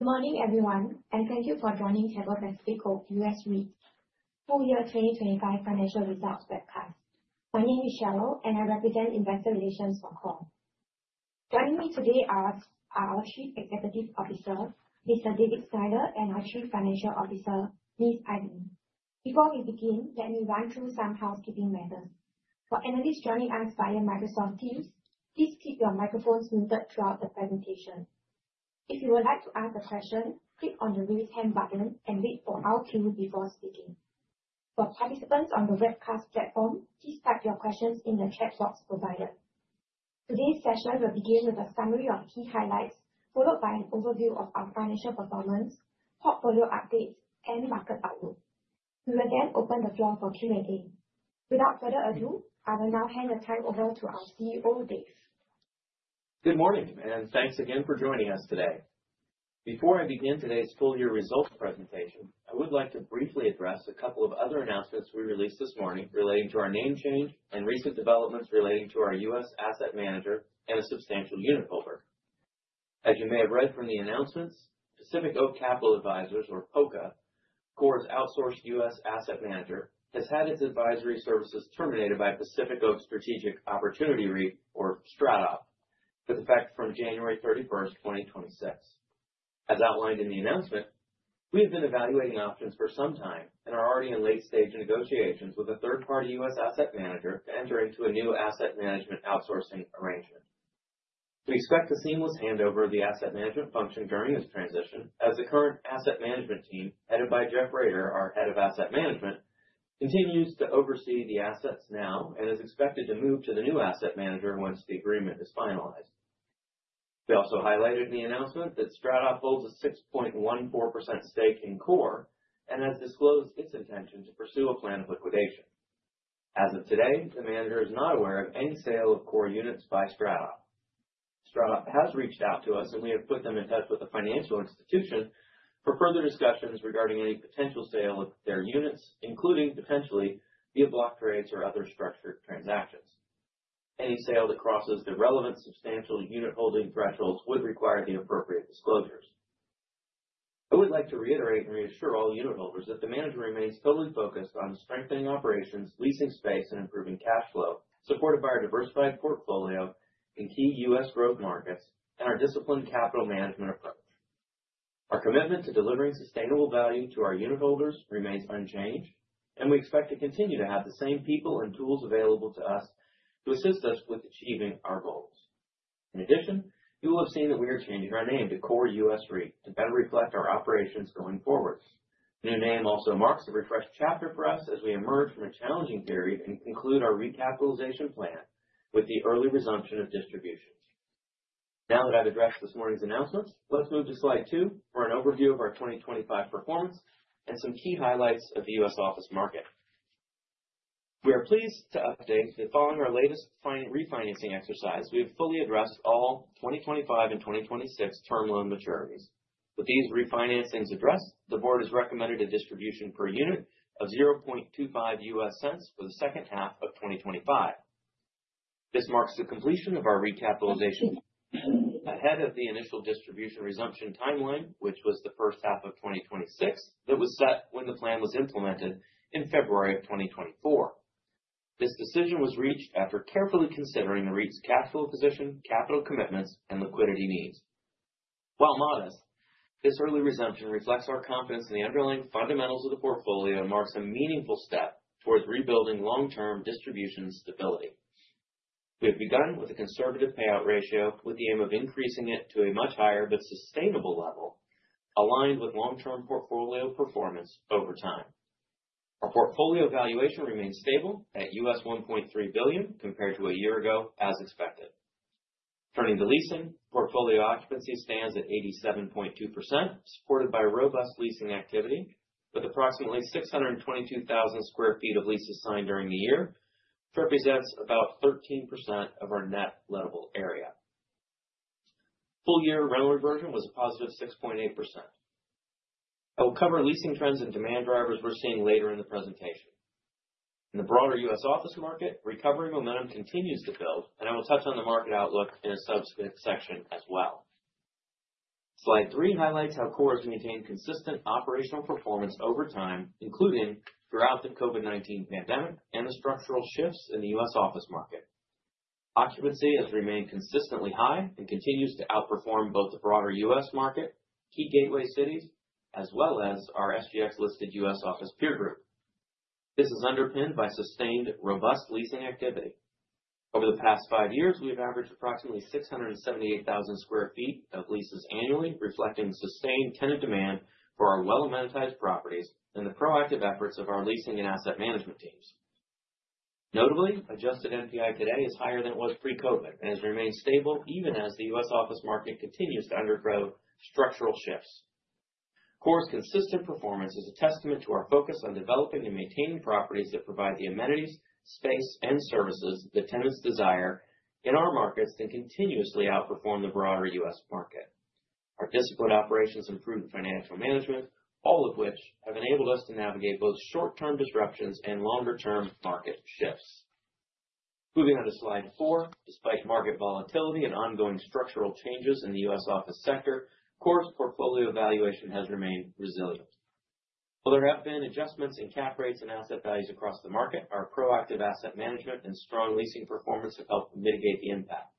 Morning everyone, thank you for joining Keppel Pacific Oak US REIT Full Year 2025 Financial Results webcast. My name is Sheryl, and I represent investor relations for KORE. Joining me today are our Chief Executive Officer, Mr. David Snyder, and our Chief Financial Officer, Ms. Ivy. Before we begin, let me run through some housekeeping matters. For analysts joining us via Microsoft Teams, please keep your microphones muted throughout the presentation. If you would like to ask a question, click on the raise hand button and wait for our cue before speaking. For participants on the webcast platform, please type your questions in the chat box provided. Today's session will begin with a summary of key highlights, followed by an overview of our financial performance, portfolio updates and market outlook. We will then open the floor for Q&A. Without further ado, I will now hand the time over to our CEO, Dave. Good morning, thanks again for joining us today. Before I begin today's full year results presentation, I would like to briefly address a couple of other announcements we released this morning relating to our name change and recent developments relating to our U.S. asset manager and a substantial unitholder. As you may have read from the announcements, Pacific Oak Capital Advisors, or POCA, KORE's outsourced U.S. asset manager, has had its advisory services terminated by Pacific Oak Strategic Opportunity REIT, or STRATO, with effect from January 31, 2026. As outlined in the announcement, we have been evaluating options for some time and are already in late-stage negotiations with a third-party U.S. asset manager to enter into a new asset management outsourcing arrangement. We expect a seamless handover of the asset management function during this transition, as the current asset management team, headed by Jeff Rader, our Head of Asset Management, continues to oversee the assets now and is expected to move to the new asset manager once the agreement is finalized. We also highlighted in the announcement that STRATO holds a 6.14% stake in KORE and has disclosed its intention to pursue a plan of liquidation. As of today, the manager is not aware of any sale of KORE units by STRATO. STRATO has reached out to us, and we have put them in touch with a financial institution for further discussions regarding any potential sale of their units, including, potentially, via block trades or other structured transactions. Any sale that crosses the relevant substantial unitholding thresholds would require the appropriate disclosures. I would like to reiterate and reassure all unitholders that the manager remains fully focused on strengthening operations, leasing space, and improving cash flow, supported by our diversified portfolio in key U.S. growth markets and our disciplined capital management approach. Our commitment to delivering sustainable value to our unitholders remains unchanged, and we expect to continue to have the same people and tools available to us to assist us with achieving our goals. In addition, you will have seen that we are changing our name to KORE US REIT to better reflect our operations going forward. The new name also marks a refreshed chapter for us as we emerge from a challenging period and conclude our recapitalization plan with the early resumption of distributions. I've addressed this morning's announcements, let's move to slide two for an overview of our 2025 performance and some key highlights of the U.S. office market. We are pleased to update that following our latest refinancing exercise, we have fully addressed all 2025 and 2026 term loan maturities. With these refinancings addressed, the board has recommended a distribution per unit of $0.25 for the second half of 2025. This marks the completion of our recapitalization ahead of the initial distribution resumption timeline, which was the first half of 2026, that was set when the plan was implemented in February of 2024. This decision was reached after carefully considering the REIT's capital position, capital commitments, and liquidity needs. While modest, this early resumption reflects our confidence in the underlying fundamentals of the portfolio and marks a meaningful step towards rebuilding long-term distribution stability. We have begun with a conservative payout ratio with the aim of increasing it to a much higher but sustainable level, aligned with long-term portfolio performance over time. Our portfolio valuation remains stable at $1.3 billion compared to a year ago, as expected. Turning to leasing, portfolio occupancy stands at 87.2%, supported by robust leasing activity, with approximately 622,000 sq ft of leases signed during the year, which represents about 13% of our net lettable area. Full year rental reversion was a positive 6.8%. I will cover leasing trends and demand drivers we're seeing later in the presentation. In the broader U.S. office market, recovery momentum continues to build, and I will touch on the market outlook in a subsequent section as well. Slide three highlights how KORE has maintained consistent operational performance over time, including throughout the COVID-19 pandemic and the structural shifts in the U.S. office market. Occupancy has remained consistently high and continues to outperform both the broader U.S. market, key gateway cities, as well as our SGX-listed U.S. office peer group. This is underpinned by sustained, robust leasing activity. Over the past five years, we have averaged approximately 678,000 sq ft of leases annually, reflecting the sustained tenant demand for our well-amenitized properties and the proactive efforts of our leasing and asset management teams. Notably, adjusted NPI today is higher than it was pre-COVID and has remained stable even as the U.S. office market continues to undergo structural shifts. KORE's consistent performance is a testament to our focus on developing and maintaining properties that provide the amenities, space, and services that tenants desire in our markets and continuously outperform the broader U.S. market. Our disciplined operations improved financial management, all of which have enabled us to navigate both short-term disruptions and longer-term market shifts. Moving on to slide four. Despite market volatility and ongoing structural changes in the U.S. office sector, KORE's portfolio valuation has remained resilient. While there have been adjustments in cap rates and asset values across the market, our proactive asset management and strong leasing performance have helped mitigate the impact.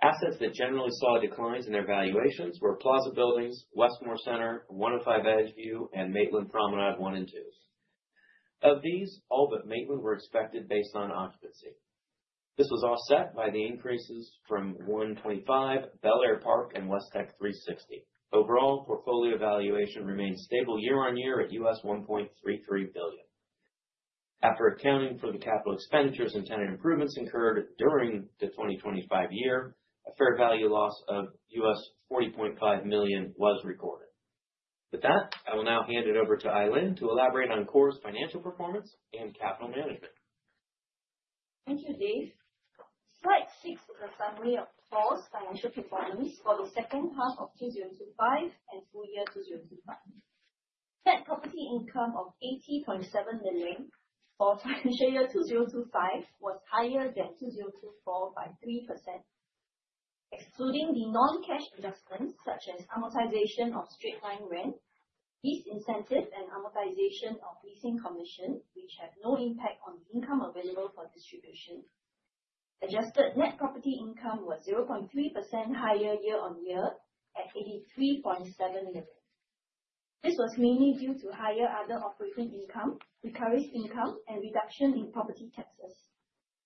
Assets that generally saw declines in their valuations were The Plaza Buildings, Westmoor Center, 105 Edgeview, and Maitland Promenade One and Two. Of these, all but Maitland were expected based on occupancy. This was offset by the increases from One Twenty Five Bellaire Park and Westech 360. Overall, portfolio valuation remained stable year on year at $1.33 billion. After accounting for the capital expenditures and tenant improvements incurred during the 2025 year, a fair value loss of $40.5 million was recorded. With that, I will now hand it over to Ai Lynn to elaborate on KORE's financial performance and capital management. Thank you, Dave. Slide six is a summary of KORE's financial performance for the second half of 2025 and full year 2025. Net property income of $80.7 million for financial year 2025 was higher than 2024 by 3%. Excluding the non-cash adjustments such as amortization of straight-line rent, lease incentives, and amortization of leasing commission, which have no impact on the income available for distribution, adjusted net property income was 0.3% higher year on year at $83.7 million. This was mainly due to higher other operating income, recoveries income, and reduction in property taxes,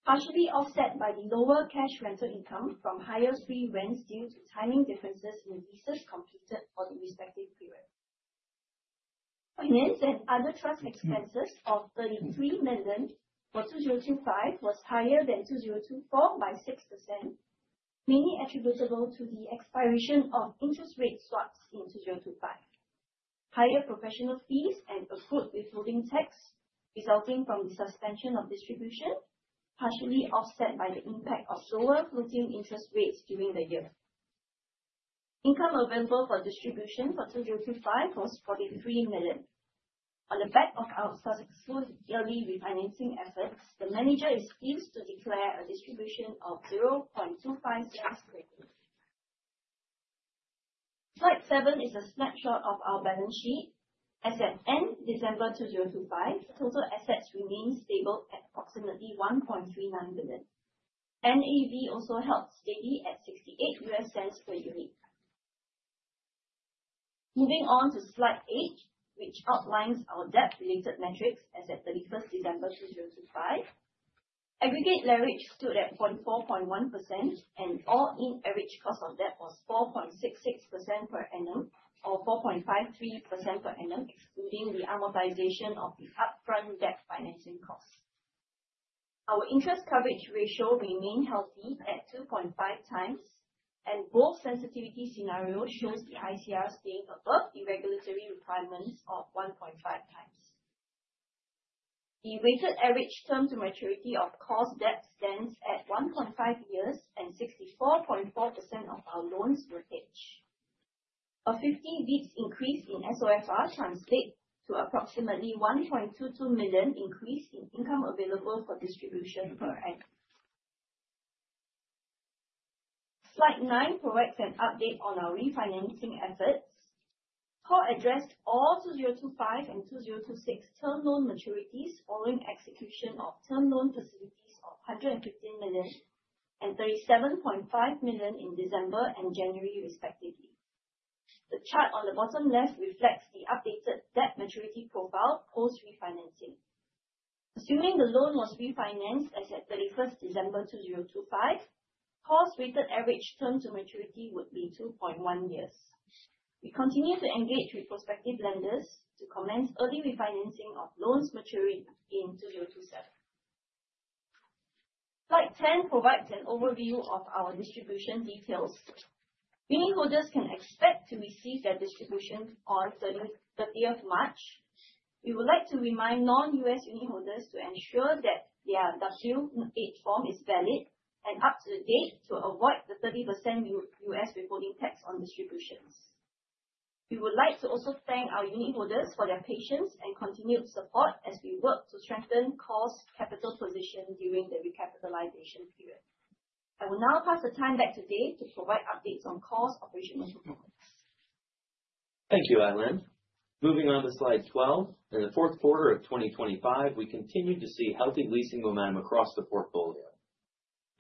partially offset by the lower cash rental income from higher free rents due to timing differences in leases completed for the respective period. Finance and other trust expenses of $33 million for 2025 was higher than 2024 by 6%, mainly attributable to the expiration of interest rate swaps in 2025. Higher professional fees and accrued withholding tax resulting from the suspension of distribution, partially offset by the impact of lower floating interest rates during the year. Income available for distribution for 2025 was $43 million. On the back of our successful yearly refinancing efforts, the manager is pleased to declare a distribution of $0.25. Slide seven is a snapshot of our balance sheet. As at end December 2025, total assets remained stable at approximately $1.39 billion. NAV also held steady at $0.68 per unit. Moving on to slide eight, which outlines our debt related metrics as at 31st December 2025. Aggregate leverage stood at 44.1% and all-in average cost of debt was 4.66% per annum or 4.53% per annum, excluding the amortization of the upfront debt financing cost. Our interest coverage ratio remained healthy at 2.5 times, and both sensitivity scenarios shows the ICR staying above the regulatory requirements of 1.5 times. The weighted average term to maturity of KORE's debt stands at 1.5 years and 64.4% of our loans are hedged. A 50 basis points increase in SOFR translates to approximately $1.22 million increase in income available for distribution per annum. Slide nine provides an update on our refinancing efforts. KORE addressed all 2025 and 2026 term loan maturities following execution of term loan facilities of $115 million and $37.5 million in December and January respectively. The chart on the bottom left reflects the updated debt maturity profile post-refinancing. Assuming the loan was refinanced as at 31st December 2025, KORE's weighted average term to maturity would be 2.1 years. We continue to engage with prospective lenders to commence early refinancing of loans maturing in 2027. Slide 10 provides an overview of our distribution details. Unitholders can expect to receive their distribution on 30th March. We would like to remind non-U.S. unitholders to ensure that their W-8 form is valid and up to date to avoid the 30% U.S. withholding tax on distributions. We would like to also thank our unitholders for their patience and continued support as we work to strengthen KORE's capital position during the recapitalization period. I will now pass the time back to Dave to provide updates on KORE's operational performance. Thank you, Ai Lynn. Moving on to slide 12. In the fourth quarter of 2025, we continued to see healthy leasing momentum across the portfolio.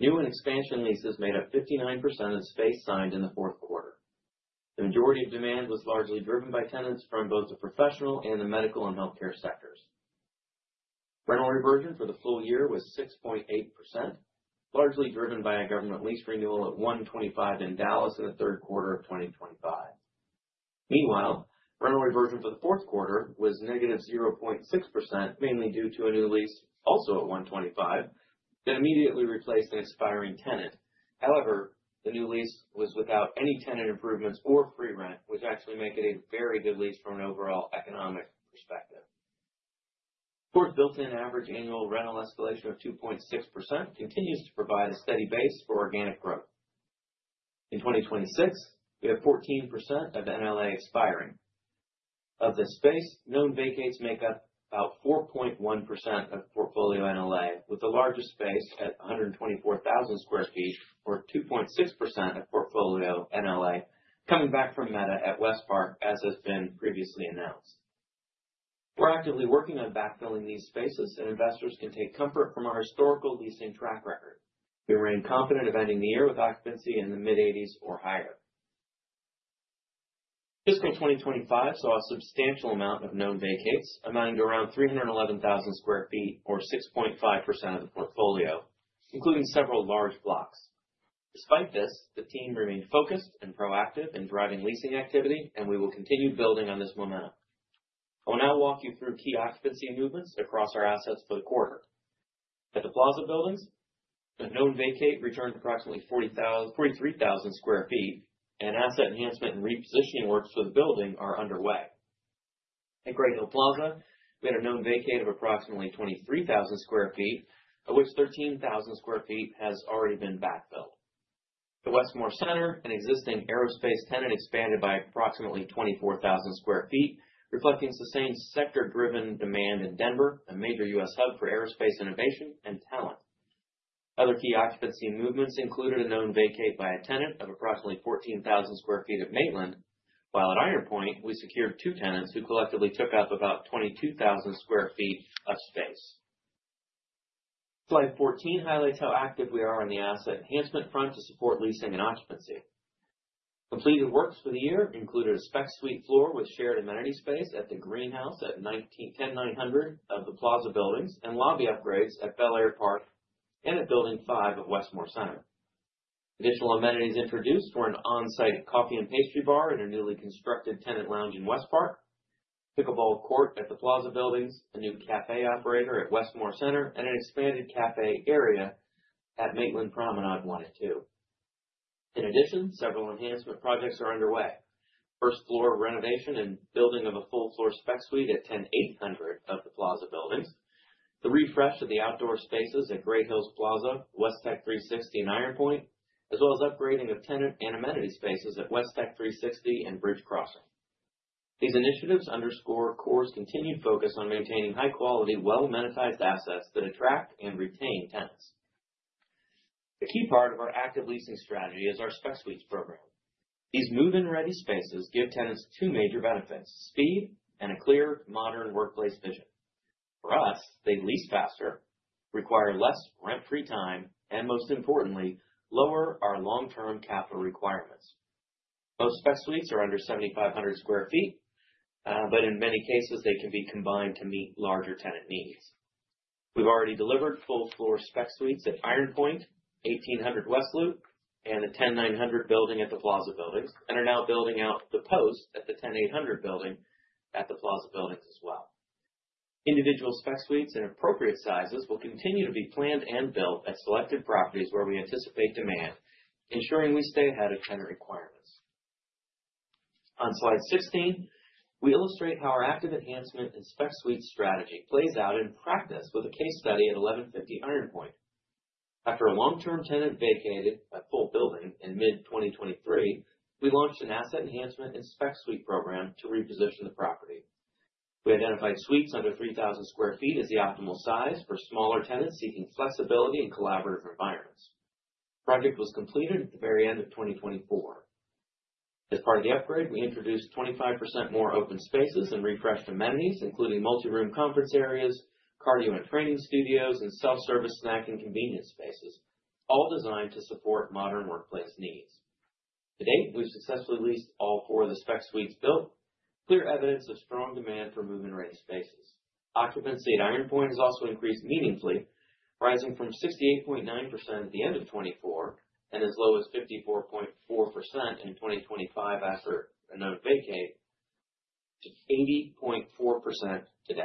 New and expansion leases made up 59% of the space signed in the fourth quarter. The majority of demand was largely driven by tenants from both the professional and the medical and healthcare sectors. Rental reversion for the full year was 6.8%, largely driven by a government lease renewal at 125 in Dallas in the third quarter of 2025. Meanwhile, rental reversion for the fourth quarter was negative 0.6%, mainly due to a new lease, also at 125, that immediately replaced an expiring tenant. However, the new lease was without any tenant improvements or free rent, which actually make it a very good lease from an overall economic perspective. KORE's built-in average annual rental escalation of 2.6% continues to provide a steady base for organic growth. In 2026, we have 14% of NLA expiring. Of this space, known vacates make up about 4.1% of portfolio NLA, with the largest space at 124,000 square feet, or 2.6% of portfolio NLA, coming back from Meta at Westpark, as has been previously announced. We're actively working on backfilling these spaces, and investors can take comfort from our historical leasing track record. We remain confident of ending the year with occupancy in the mid-80s or higher. Fiscal 2025 saw a substantial amount of known vacates, amounting to around 311,000 square feet or 6.5% of the portfolio, including several large blocks. Despite this, the team remained focused and proactive in driving leasing activity. We will continue building on this momentum. I will now walk you through key occupancy movements across our assets for the quarter. At The Plaza Buildings, a known vacate returned approximately 43,000 square feet, and asset enhancement and repositioning works for the building are underway. At Great Hills Plaza, we had a known vacate of approximately 23,000 square feet, of which 13,000 square feet has already been backfilled. At Westmoor Center, an existing aerospace tenant expanded by approximately 24,000 square feet, reflecting sustained sector-driven demand in Denver, a major U.S. hub for aerospace innovation and talent. Other key occupancy movements included a known vacate by a tenant of approximately 14,000 square feet at Maitland. While at Iron Point, we secured two tenants who collectively took up about 22,000 square feet of space. Slide 14 highlights how active we are on the asset enhancement front to support leasing and occupancy. Completed works for the year included a spec suite floor with shared amenity space at The Greenhouse at 10900 of The Plaza Buildings and lobby upgrades at Bellaire Park and at Building 5 of Westmoor Center. Additional amenities introduced were an on-site coffee and pastry bar in a newly constructed tenant lounge in Westpark, pickleball court at The Plaza Buildings, a new café operator at Westmoor Center, and an expanded café area at Maitland Promenade I and II. Several enhancement projects are underway. First-floor renovation and building of a full-floor spec suite at 10800 of The Plaza Buildings, the refresh of the outdoor spaces at Great Hills Plaza, Westech 360, and Iron Point, as well as upgrading of tenant and amenity spaces at Westech 360 and Bridge Crossing. These initiatives underscore KORE's continued focus on maintaining high-quality, well-amenitized assets that attract and retain tenants. A key part of our active leasing strategy is our spec suites program. These move-in-ready spaces give tenants two major benefits: speed and a clear modern workplace vision. For us, they lease faster, require less rent-free time, and most importantly, lower our long-term capital requirements. Most spec suites are under 7,500 square feet, but in many cases, they can be combined to meet larger tenant needs. We've already delivered full floor spec suites at Iron Point, 1800 West Loop, and the 10900 building at The Plaza Buildings, and are now building out The Post at the 10800 building at The Plaza Buildings as well. Individual spec suites in appropriate sizes will continue to be planned and built at selected properties where we anticipate demand, ensuring we stay ahead of tenant requirements. On slide 16, we illustrate how our active enhancement and spec suite strategy plays out in practice with a case study at 1150 Iron Point. After a long-term tenant vacated a full building in mid-2023, we launched an asset enhancement and spec suite program to reposition the property. We identified suites under 3,000 square feet as the optimal size for smaller tenants seeking flexibility and collaborative environments. The project was completed at the very end of 2024. As part of the upgrade, we introduced 25% more open spaces and refreshed amenities, including multi-room conference areas, cardio and training studios, and self-service snack and convenience spaces, all designed to support modern workplace needs. To date, we've successfully leased all four of the spec suites built, clear evidence of strong demand for move-in-ready spaces. Occupancy at Iron Point has also increased meaningfully, rising from 68.9% at the end of 2024, and as low as 54.4% in 2025 after a known vacate, to 80.4% today.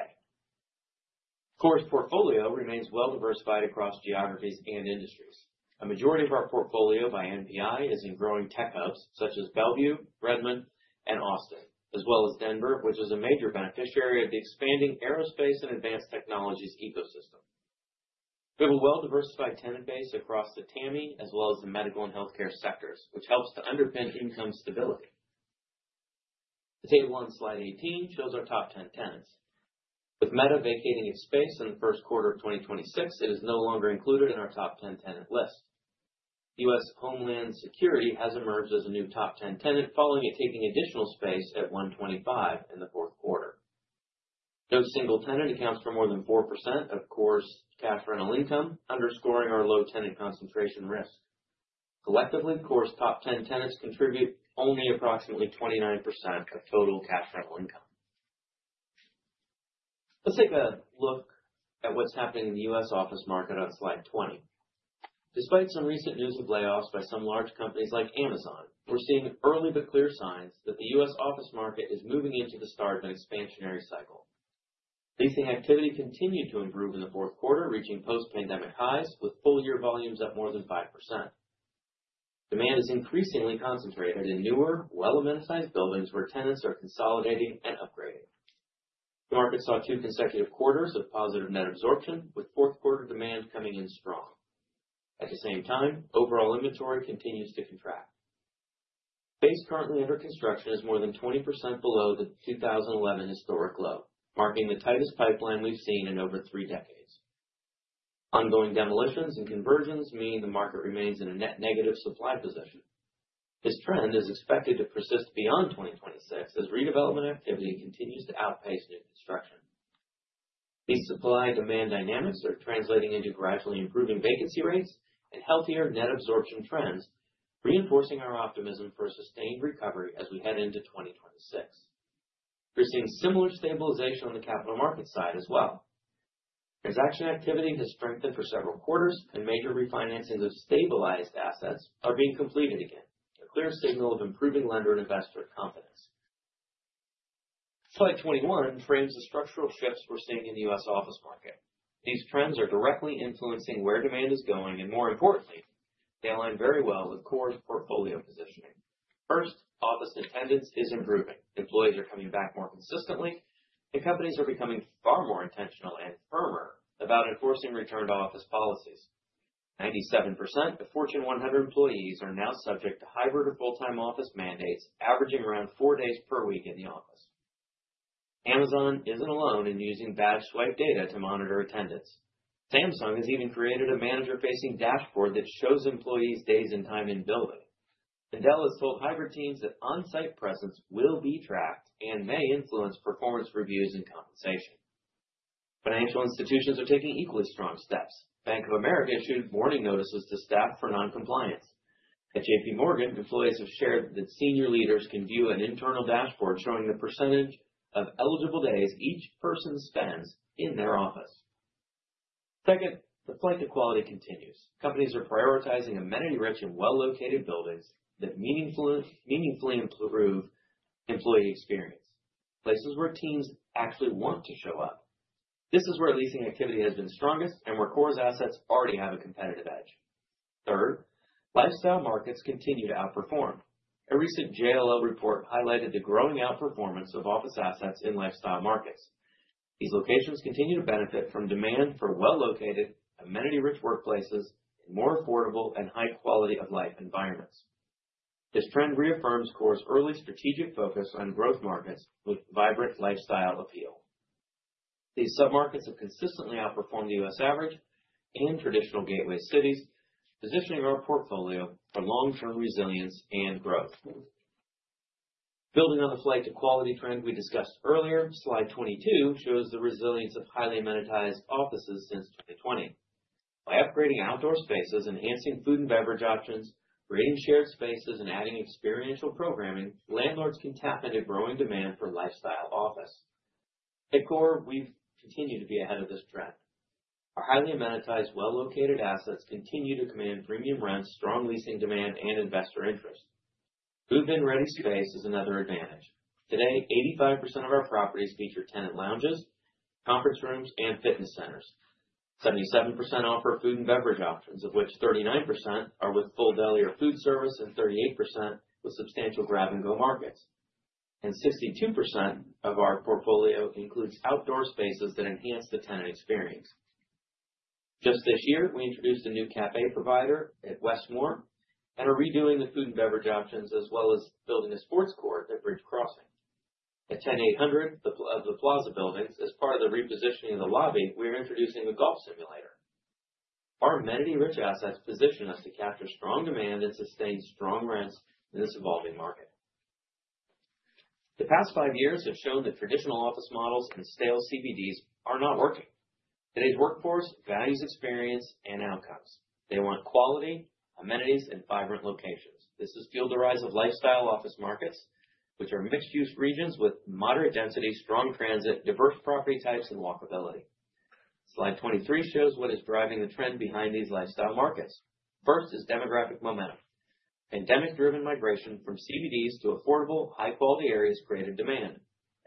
KORE's portfolio remains well diversified across geographies and industries. A majority of our portfolio by NPI is in growing tech hubs such as Bellevue, Redmond, and Austin, as well as Denver, which is a major beneficiary of the expanding aerospace and advanced technologies ecosystem. We have a well-diversified tenant base across the TAMI as well as the medical and healthcare sectors, which helps to underpin income stability. The table on slide 18 shows our top 10 tenants. With Meta vacating its space in the first quarter of 2026, it is no longer included in our top 10 tenant list. U.S. Department of Homeland Security has emerged as a new top 10 tenant, following it taking additional space at 125 in the fourth quarter. No single tenant accounts for more than 4% of KORE's cash rental income, underscoring our low tenant concentration risk. Collectively, KORE's top 10 tenants contribute only approximately 29% of total cash rental income. Let's take a look at what's happening in the U.S. office market on slide 20. Despite some recent news of layoffs by some large companies like Amazon, we're seeing early but clear signs that the U.S. office market is moving into the start of an expansionary cycle. Leasing activity continued to improve in the fourth quarter, reaching post-pandemic highs, with full-year volumes up more than 5%. Demand is increasingly concentrated in newer, well-amenitized buildings where tenants are consolidating and upgrading. The market saw two consecutive quarters of positive net absorption, with fourth quarter demand coming in strong. At the same time, overall inventory continues to contract. Space currently under construction is more than 20% below the 2011 historic low, marking the tightest pipeline we've seen in over three decades. Ongoing demolitions and conversions mean the market remains in a net negative supply position. This trend is expected to persist beyond 2026 as redevelopment activity continues to outpace new construction. These supply-demand dynamics are translating into gradually improving vacancy rates and healthier net absorption trends, reinforcing our optimism for a sustained recovery as we head into 2026. We're seeing similar stabilization on the capital market side as well. Transaction activity has strengthened for several quarters, and major refinancings of stabilized assets are being completed again. A clear signal of improving lender and investor confidence. Slide 21 frames the structural shifts we're seeing in the U.S. office market. These trends are directly influencing where demand is going, and more importantly, they align very well with KORE's portfolio positioning. First, office attendance is improving. Employees are coming back more consistently, and companies are becoming far more intentional and firmer about enforcing return-to-office policies. 97% of Fortune 100 employees are now subject to hybrid or full-time office mandates, averaging around four days per week in the office. Amazon isn't alone in using badge swipe data to monitor attendance. Samsung has even created a manager-facing dashboard that shows employees' days and time in building. Dell has told hybrid teams that on-site presence will be tracked and may influence performance reviews and compensation. Financial institutions are taking equally strong steps. Bank of America issued warning notices to staff for non-compliance. At J.P. Morgan, employees have shared that senior leaders can view an internal dashboard showing the percentage of eligible days each person spends in their office. Second, the flight to quality continues. Companies are prioritizing amenity-rich and well-located buildings that meaningfully improve employee experience. Places where teams actually want to show up. This is where leasing activity has been strongest and where KORE's assets already have a competitive edge. Third, lifestyle markets continue to outperform. A recent JLL report highlighted the growing outperformance of office assets in lifestyle markets. These locations continue to benefit from demand for well-located, amenity-rich workplaces in more affordable and high quality of life environments. This trend reaffirms KORE's early strategic focus on growth markets with vibrant lifestyle appeal. These submarkets have consistently outperformed the U.S. average and traditional gateway cities, positioning our portfolio for long-term resilience and growth. Building on the flight to quality trend we discussed earlier, slide 22 shows the resilience of highly amenitized offices since 2020. By upgrading outdoor spaces, enhancing food and beverage options, creating shared spaces, and adding experiential programming, landlords can tap into growing demand for lifestyle office. At KORE, we've continued to be ahead of this trend. Our highly amenitized, well-located assets continue to command premium rents, strong leasing demand, and investor interest. Move-in-ready space is another advantage. Today, 85% of our properties feature tenant lounges, conference rooms, and fitness centers. 77% offer food and beverage options, of which 39% are with full deli or food service and 38% with substantial grab-and-go markets. 62% of our portfolio includes outdoor spaces that enhance the tenant experience. Just this year, we introduced a new cafe provider at Westmore and are redoing the food and beverage options, as well as building a sports court at Bridge Crossing. At 10800 The Plaza Buildings. As part of the repositioning of the lobby, we are introducing a golf simulator. Our amenity-rich assets position us to capture strong demand and sustain strong rents in this evolving market. The past 5 years have shown that traditional office models and stale CBDs are not working. Today's workforce values experience and outcomes. They want quality, amenities, and vibrant locations. This has fueled the rise of lifestyle office markets, which are mixed-use regions with moderate density, strong transit, diverse property types, and walkability. Slide 23 shows what is driving the trend behind these lifestyle markets. First is demographic momentum. Pandemic-driven migration from CBDs to affordable, high-quality areas created demand.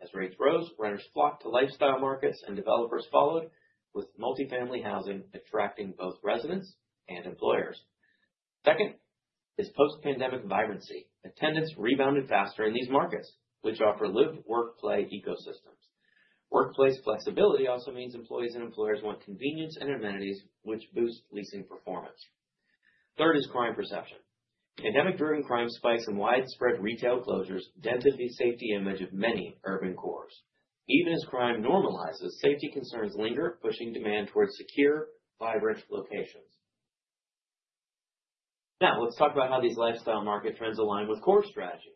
As rates rose, renters flocked to lifestyle markets, and developers followed, with multifamily housing attracting both residents and employers. Second is post-pandemic vibrancy. Attendance rebounded faster in these markets, which offer live-work-play ecosystems. Workplace flexibility also means employees and employers want convenience and amenities which boost leasing performance. Third is crime perception. Pandemic-driven crime spikes and widespread retail closures dented the safety image of many urban cores. Even as crime normalizes, safety concerns linger, pushing demand towards secure, vibrant locations. Now, let's talk about how these lifestyle market trends align with KORE strategy.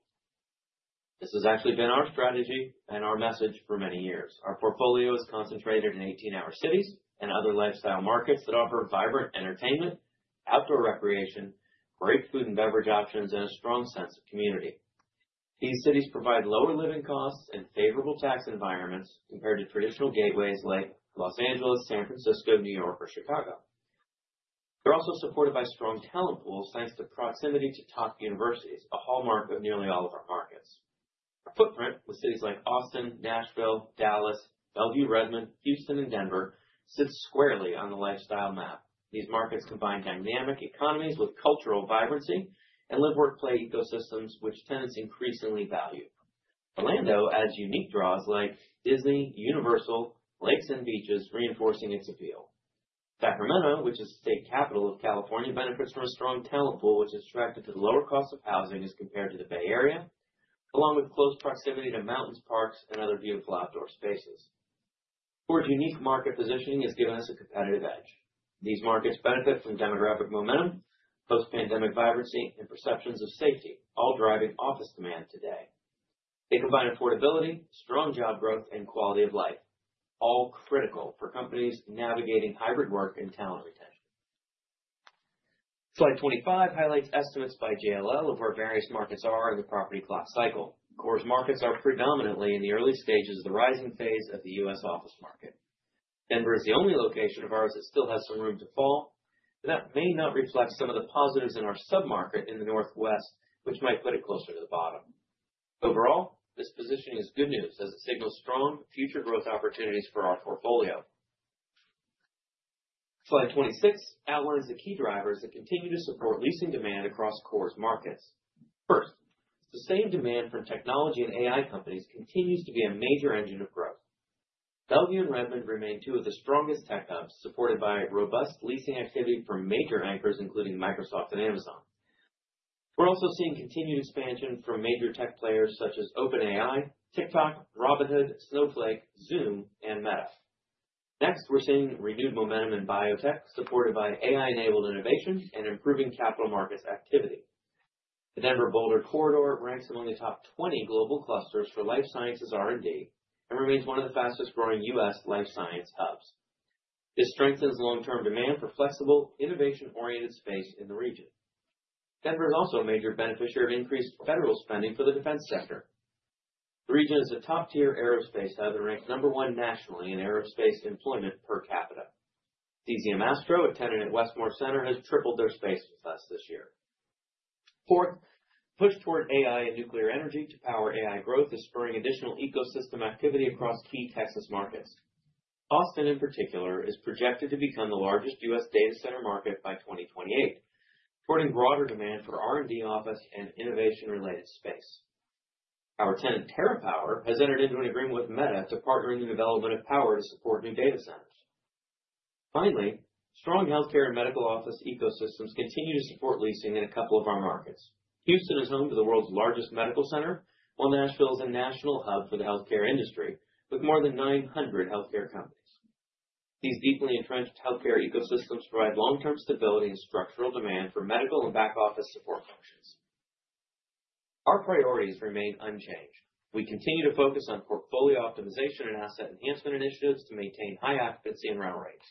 This has actually been our strategy and our message for many years. Our portfolio is concentrated in 18-hour cities and other lifestyle markets that offer vibrant entertainment, outdoor recreation, great food and beverage options, and a strong sense of community. These cities provide lower living costs and favorable tax environments compared to traditional gateways like Los Angeles, San Francisco, New York or Chicago. They're also supported by strong talent pools, thanks to proximity to top universities, a hallmark of nearly all of our markets. Our footprint with cities like Austin, Nashville, Dallas, Bellevue, Redmond, Houston, and Denver sits squarely on the lifestyle map. These markets combine dynamic economies with cultural vibrancy and live-work-play ecosystems, which tenants increasingly value. Orlando adds unique draws like Disney, Universal, lakes and beaches, reinforcing its appeal. Sacramento, which is the state capital of California, benefits from a strong talent pool, which is attracted to the lower cost of housing as compared to the Bay Area, along with close proximity to mountains, parks, and other beautiful outdoor spaces. KORE's unique market positioning has given us a competitive edge. These markets benefit from demographic momentum, post-pandemic vibrancy, and perceptions of safety, all driving office demand today. They combine affordability, strong job growth, and quality of life, all critical for companies navigating hybrid work and talent retention. Slide 25 highlights estimates by JLL of where various markets are in the property class cycle. KORE's markets are predominantly in the early stages of the rising phase of the U.S. office market. Denver is the only location of ours that still has some room to fall, but that may not reflect some of the positives in our sub-market in the northwest, which might put it closer to the bottom. Overall, this positioning is good news as it signals strong future growth opportunities for our portfolio. Slide 26 outlines the key drivers that continue to support leasing demand across KORE's markets. First, the same demand from technology and AI companies continues to be a major engine of growth. Bellevue and Redmond remain two of the strongest tech hubs, supported by robust leasing activity from major anchors, including Microsoft and Amazon. We're also seeing continued expansion from major tech players such as OpenAI, TikTok, Robinhood, Snowflake, Zoom, and Meta. Next, we're seeing renewed momentum in biotech, supported by AI-enabled innovation and improving capital markets activity. The Denver-Boulder corridor ranks among the top 20 global clusters for life sciences R&D and remains one of the fastest-growing U.S. life science hubs. This strengthens long-term demand for flexible, innovation-oriented space in the region. Denver is also a major beneficiary of increased federal spending for the defense sector. The region is a top-tier aerospace hub and ranks number 1 nationally in aerospace employment per capita. DCM Astro, a tenant at Westmoor Center, has tripled their space with us this year. Fourth, push toward AI and nuclear energy to power AI growth is spurring additional ecosystem activity across key Texas markets. Austin, in particular, is projected to become the largest U.S. data center market by 2028, supporting broader demand for R&D office and innovation-related space. Our tenant, TerraPower, has entered into an agreement with Meta to partner in the development of power to support new data centers. Finally, strong healthcare and medical office ecosystems continue to support leasing in a couple of our markets. Houston is home to the world's largest medical center, while Nashville is a national hub for the healthcare industry with more than 900 healthcare companies. These deeply entrenched healthcare ecosystems provide long-term stability and structural demand for medical and back-office support functions. Our priorities remain unchanged. We continue to focus on portfolio optimization and asset enhancement initiatives to maintain high occupancy and rental rates.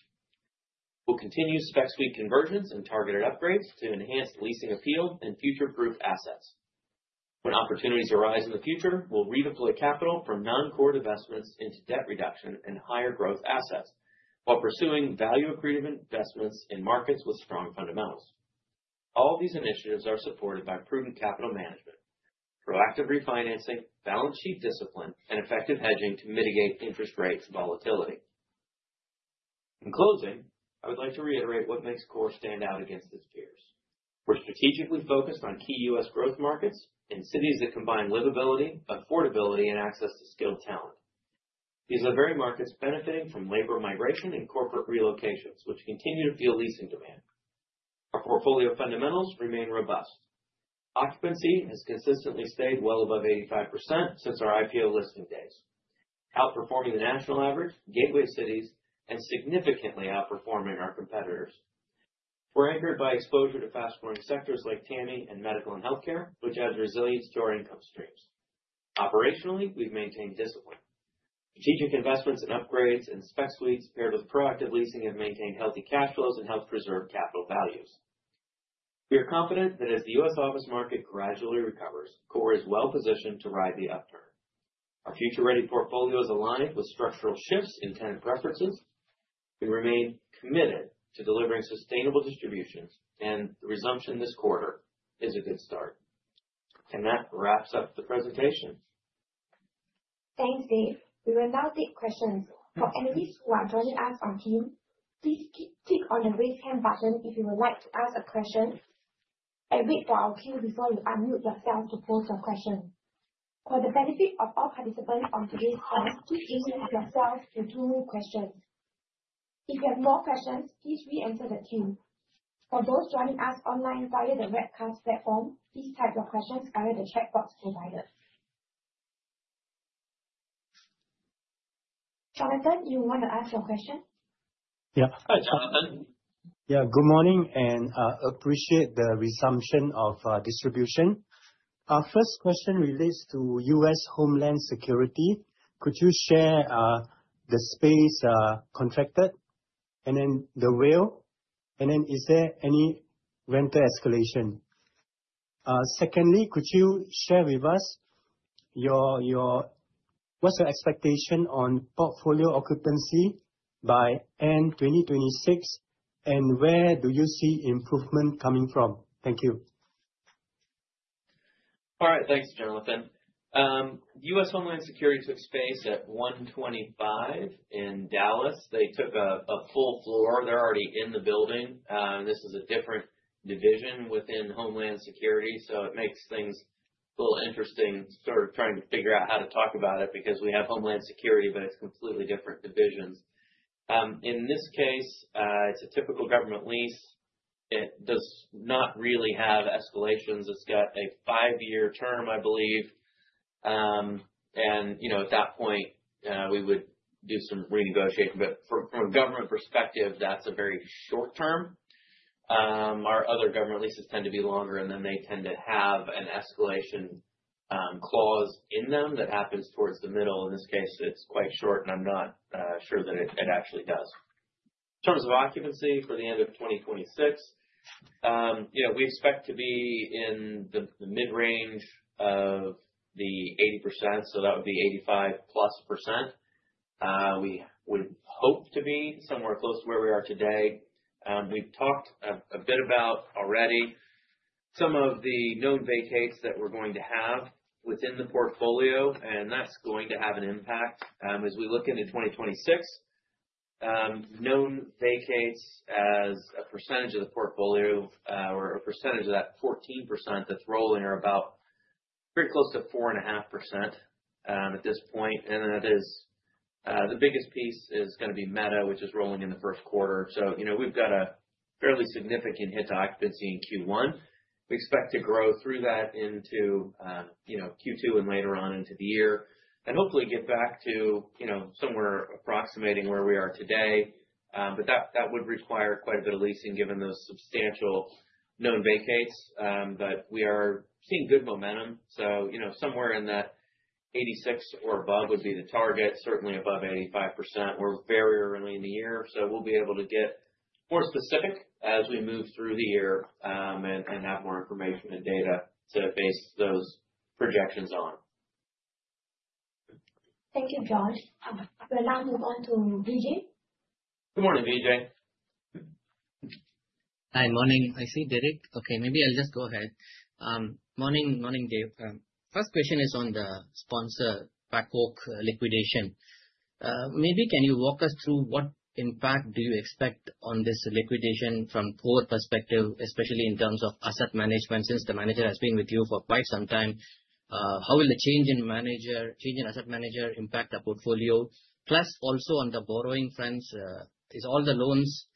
We'll continue spec suite convergence and targeted upgrades to enhance leasing appeal and future-proof assets. When opportunities arise in the future, we'll redeploy capital from non-core investments into debt reduction and higher growth assets while pursuing value-accretive investments in markets with strong fundamentals. All these initiatives are supported by prudent capital management, proactive refinancing, balance sheet discipline, and effective hedging to mitigate interest rates volatility. In closing, I would like to reiterate what makes KORE stand out against its peers. We're strategically focused on key U.S. growth markets in cities that combine livability, affordability, and access to skilled talent. These are the very markets benefiting from labor migration and corporate relocations, which continue to fuel leasing demand. Our portfolio fundamentals remain robust. Occupancy has consistently stayed well above 85% since our IPO listing days, outperforming the national average, gateway cities, and significantly outperforming our competitors. We're anchored by exposure to fast-growing sectors like TAMI and medical and healthcare, which adds resilience to our income streams. Operationally, we've maintained discipline. Strategic investments in upgrades and spec suites paired with proactive leasing have maintained healthy cash flows and helped preserve capital values. We are confident that as the U.S. office market gradually recovers, KORE is well-positioned to ride the upturn. Our future-ready portfolio is aligned with structural shifts in tenant preferences. We remain committed to delivering sustainable distributions, and the resumption this quarter is a good start. That wraps up the presentation. Thanks, Dave. We will now take questions. For analysts who are joining us on Team, please click on the raise hand button if you would like to ask a question, and wait for our cue before you unmute yourself to pose your question. For the benefit of all participants on today's call, please limit yourself to two questions. If you have more questions, please re-enter the queue. For those joining us online via the webcast platform, please type your questions via the chat box provided. Jonathan, you want to ask your question? Yeah. Hi, Jonathan. Good morning, appreciate the resumption of distribution. Our first question relates to U.S. Homeland Security. Could you share the space contracted and then the WALE, and then is there any rental escalation? Secondly, could you share with us what's your expectation on portfolio occupancy by end 2026, and where do you see improvement coming from? Thank you. All right. Thanks, Jonathan. U.S. Homeland Security took space at One Twenty Five in Dallas. They took a full floor. They're already in the building. This is a different division within Homeland Security, so it makes things a little interesting sort of trying to figure out how to talk about it because we have Homeland Security, but it's completely different divisions. In this case, it's a typical government lease. It does not really have escalations. It's got a five-year term, I believe. At that point, we would do some renegotiating. From a government perspective, that's a very short term. Our other government leases tend to be longer, and then they tend to have an escalation clause in them that happens towards the middle. In this case, it's quite short, and I'm not sure that it actually does. In terms of occupancy for the end of 2026, we expect to be in the mid-range of the 80%, so that would be 85+%. We would hope to be somewhere close to where we are today. We've talked a bit about already some of the known vacates that we're going to have within the portfolio, and that's going to have an impact. As we look into 2026, known vacates as a percentage of the portfolio or a percentage of that 14% that's rolling are about pretty close to 4.5% at this point. The biggest piece is going to be Meta, which is rolling in the first quarter. We've got a fairly significant hit to occupancy in Q1. We expect to grow through that into Q2 and later on into the year, and hopefully get back to somewhere approximating where we are today. That would require quite a bit of leasing given those substantial known vacates. We are seeing good momentum, somewhere in that 86 or above would be the target, certainly above 85%. We're very early in the year, so we'll be able to get more specific as we move through the year, and have more information and data to base those projections on. Thank you, Josh. We'll now move on to Vijay. Good morning, Vijay. Hi. Morning. I see Derek. Maybe I'll just go ahead. Morning, Dave. First question is on the sponsor PacOak liquidation. Maybe can you walk us through what impact do you expect on this liquidation from KORE perspective, especially in terms of asset management, since the manager has been with you for quite some time? How will the change in asset manager impact the portfolio? Plus, also on the borrowing fronts, is all the loans,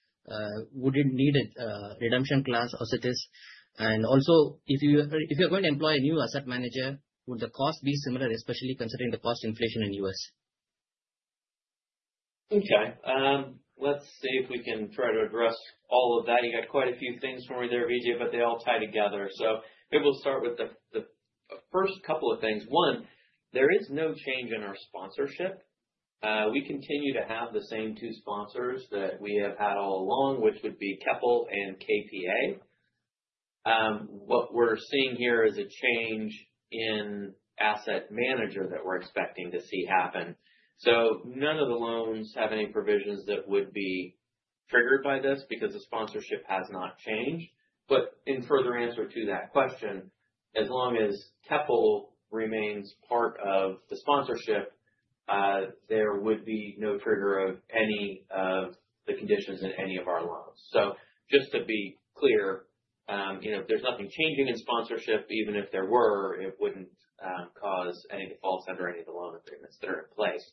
would it need a redemption class as it is? And also, if you're going to employ a new asset manager, would the cost be similar, especially considering the cost inflation in the U.S.? Let's see if we can try to address all of that. You got quite a few things for me there, Vijay, they all tie together. Maybe we'll start with the first couple of things. One, there is no change in our sponsorship. We continue to have the same two sponsors that we have had all along, which would be Keppel and KPA. What we're seeing here is a change in asset manager that we're expecting to see happen. None of the loans have any provisions that would be triggered by this because the sponsorship has not changed. In further answer to that question, as long as Keppel remains part of the sponsorship, there would be no trigger of any of the conditions in any of our loans. Just to be clear, there's nothing changing in sponsorship. Even if there were, it wouldn't cause any defaults under any of the loan agreements that are in place.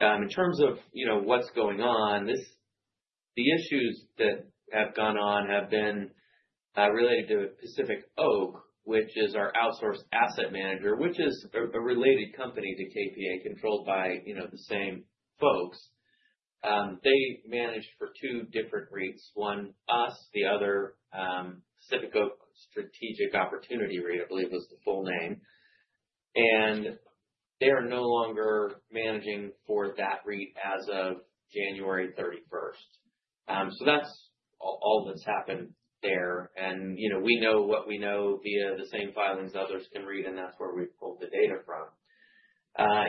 In terms of what's going on, the issues that have gone on have been related to Pacific Oak, which is our outsourced asset manager, which is a related company to KPA, controlled by the same folks. They managed for two different REITs. One, us, the other Pacific Oak Strategic Opportunity REIT, I believe was the full name. They are no longer managing for that REIT as of January 31st. That's all that's happened there. We know what we know via the same filings others can read, and that's where we pulled the data from.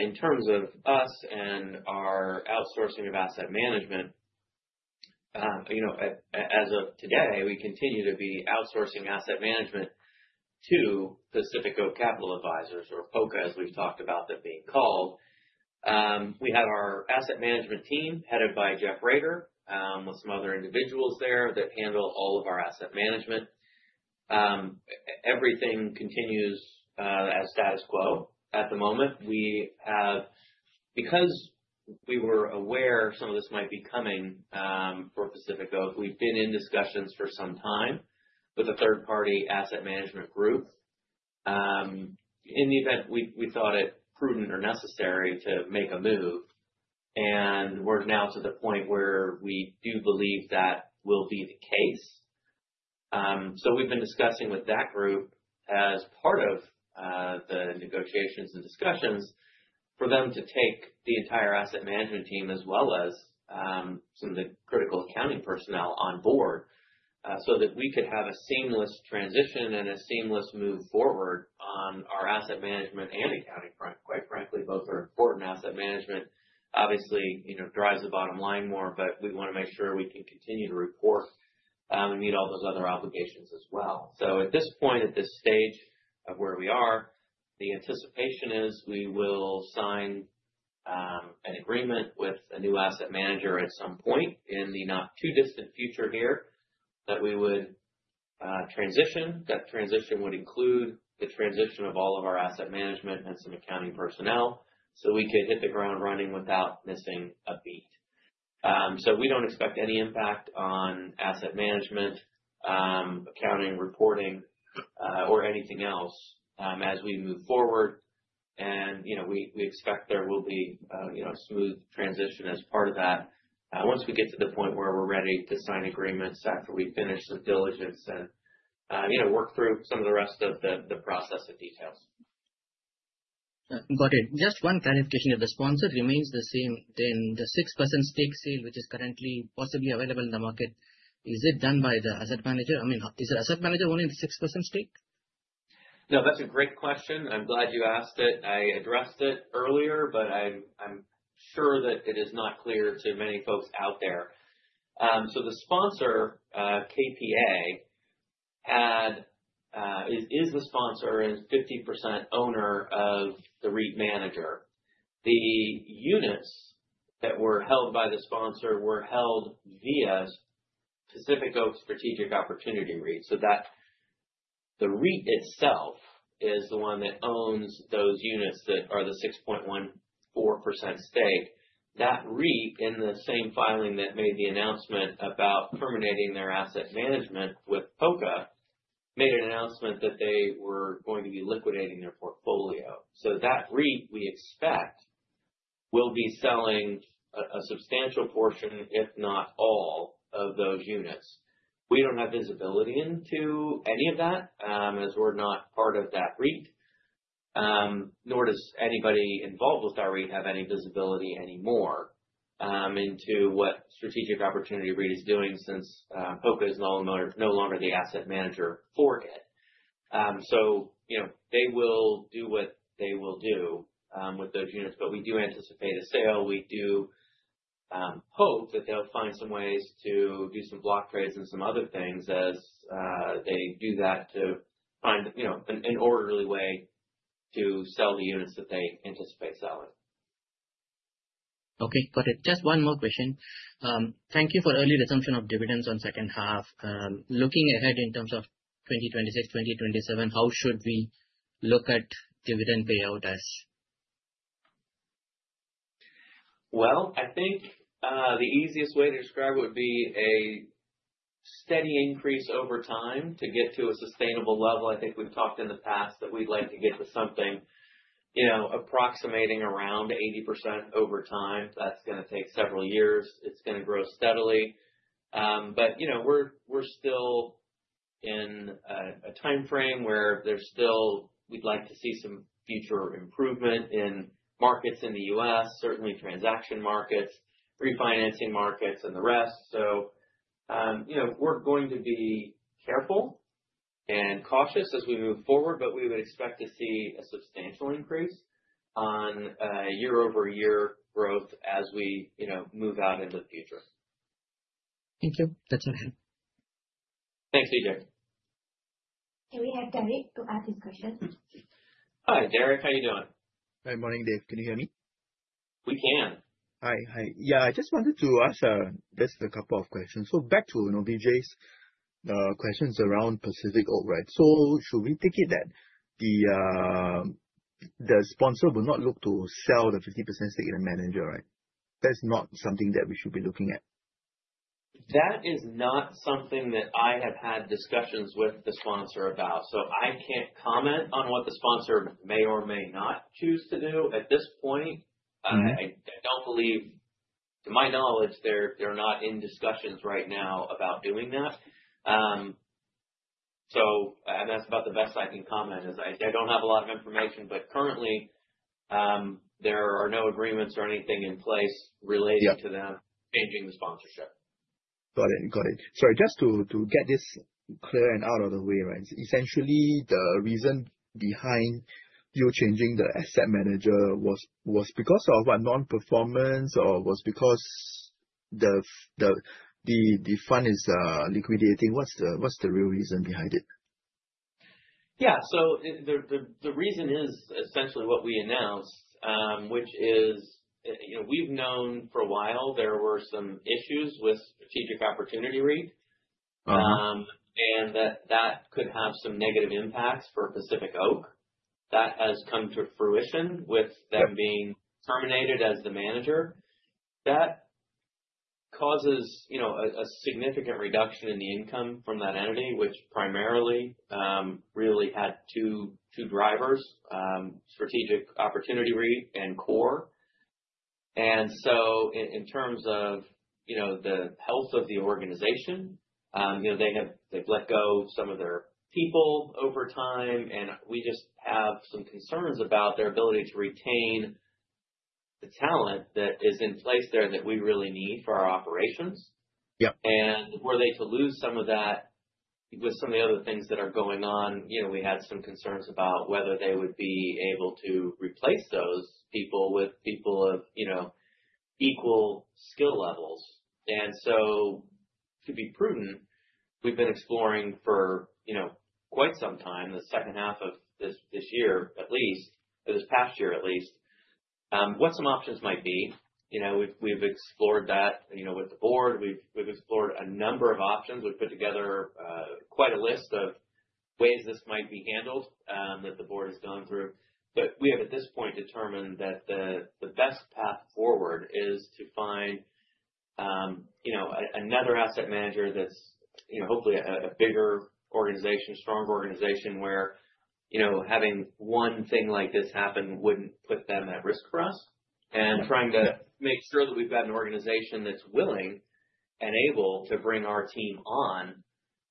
In terms of us and our outsourcing of asset management, as of today, we continue to be outsourcing asset management to Pacific Oak Capital Advisors, or POCA, as we've talked about them being called. We have our asset management team headed by Jeff Rader, with some other individuals there that handle all of our asset management. Everything continues as status quo at the moment. Because we were aware some of this might be coming for Pacific Oak, we've been in discussions for some time with a third-party asset management group in the event we thought it prudent or necessary to make a move, and we're now to the point where we do believe that will be the case. We've been discussing with that group as part of the negotiations and discussions for them to take the entire asset management team as well as some of the critical accounting personnel on board, so that we could have a seamless transition and a seamless move forward on our asset management and accounting front. Quite frankly, both are important. Asset management obviously drives the bottom line more, but we want to make sure we can continue to report and meet all those other obligations as well. At this point, at this stage of where we are, the anticipation is we will sign an agreement with a new asset manager at some point in the not-too-distant future here that we would transition. That transition would include the transition of all of our asset management and some accounting personnel, so we could hit the ground running without missing a beat. We don't expect any impact on asset management, accounting, reporting, or anything else as we move forward. We expect there will be a smooth transition as part of that, once we get to the point where we're ready to sign agreements after we finish some diligence and work through some of the rest of the process and details. Got it. Just one clarification. If the sponsor remains the same, the 6% stake sale, which is currently possibly available in the market, is it done by the asset manager? I mean, is the asset manager owning the 6% stake? No, that's a great question, and I'm glad you asked it. I addressed it earlier, but I'm sure that it is not clear to many folks out there. The sponsor, KPA, is the sponsor and 50% owner of the REIT manager. The units that were held by the sponsor were held via Pacific Oak Strategic Opportunity REIT. The REIT itself is the one that owns those units that are the 6.14% stake. That REIT, in the same filing that made the announcement about terminating their asset management with POCA, made an announcement that they were going to be liquidating their portfolio. That REIT, we expect, will be selling a substantial portion, if not all of those units. We don't have visibility into any of that, as we're not part of that REIT. Nor does anybody involved with that REIT have any visibility anymore into what Strategic Opportunity REIT is doing since POCA is no longer the asset manager for it. They will do what they will do with those units. We do anticipate a sale. We do hope that they'll find some ways to do some block trades and some other things as they do that to find an orderly way to sell the units that they anticipate selling. Okay, got it. Just one more question. Thank you for early resumption of dividends on the second half. Looking ahead in terms of 2026, 2027, how should we look at dividend payout as? Well, I think, the easiest way to describe it would be a steady increase over time to get to a sustainable level. I think we've talked in the past that we'd like to get to something approximating around 80% over time. That's going to take several years. It's going to grow steadily. We're still in a timeframe where we'd like to see some future improvement in markets in the U.S., certainly transaction markets, refinancing markets, and the rest. We're going to be careful and cautious as we move forward, but we would expect to see a substantial increase on a year-over-year growth as we move out into the future. Thank you. That's all I have. Thanks, Vijay. Can we have Derek to ask his question? Hi, Derek. How you doing? Hi, morning, Dave. Can you hear me? We can. Hi. Yeah, I just wanted to ask just a couple of questions. Back to Vijay's questions around Pacific Oak. Should we take it that the sponsor will not look to sell the 50% stake in a manager, right? That's not something that we should be looking at. That is not something that I have had discussions with the sponsor about, so I can't comment on what the sponsor may or may not choose to do at this point. Okay. To my knowledge, they're not in discussions right now about doing that. That's about the best I can comment, is I don't have a lot of information, but currently, there are no agreements or anything in place. Yeah to them changing the sponsorship. Got it. Sorry, just to get this clear and out of the way, right? Essentially, the reason behind you changing the asset manager was because of a non-performance, or was because the fund is liquidating? What's the real reason behind it? Yeah. The reason is essentially what we announced, which is, we've known for a while there were some issues with Strategic Opportunity REIT. That could have some negative impacts for Pacific Oak. That has come to fruition with them being terminated as the manager. That causes a significant reduction in the income from that entity, which primarily, really had two drivers, Strategic Opportunity REIT and KORE. In terms of the health of the organization, they've let go of some of their people over time, and we just have some concerns about their ability to retain the talent that is in place there that we really need for our operations. Yep. Were they to lose some of that, with some of the other things that are going on, we had some concerns about whether they would be able to replace those people with people of equal skill levels. To be prudent, we've been exploring for quite some time, the second half of this past year at least, what some options might be. We've explored that with the board. We've explored a number of options. We've put together quite a list of ways this might be handled, that the board has gone through. We have, at this point, determined that the best path forward is to find another asset manager that's hopefully a bigger organization, stronger organization, where having one thing like this happen wouldn't put them at risk for us. Trying to make sure that we've got an organization that's willing and able to bring our team on.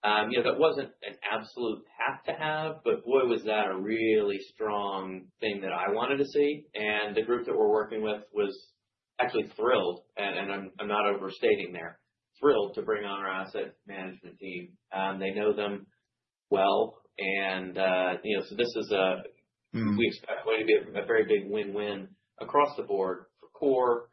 That wasn't an absolute have to have, but boy, was that a really strong thing that I wanted to see, and the group that we're working with was actually thrilled, and I'm not overstating there, thrilled to bring on our asset management team. They know them well, so we expect it to be a very big win-win across the board for KORE,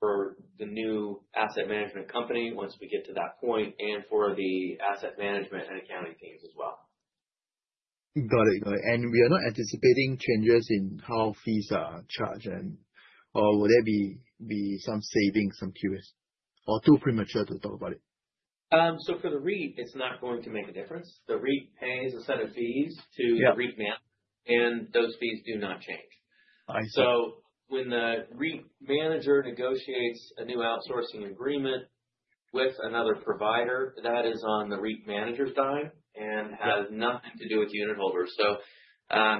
for the new asset management company once we get to that point, and for the asset management and accounting teams as well. Got it. We are not anticipating changes in how fees are charged, or will there be some savings, some QAs? Too premature to talk about it? For the REIT, it's not going to make a difference. The REIT pays a set of fees to- Yeah The REIT manager, those fees do not change. I see. When the REIT manager negotiates a new outsourcing agreement with another provider, that is on the REIT manager's dime and has nothing to do with unitholders.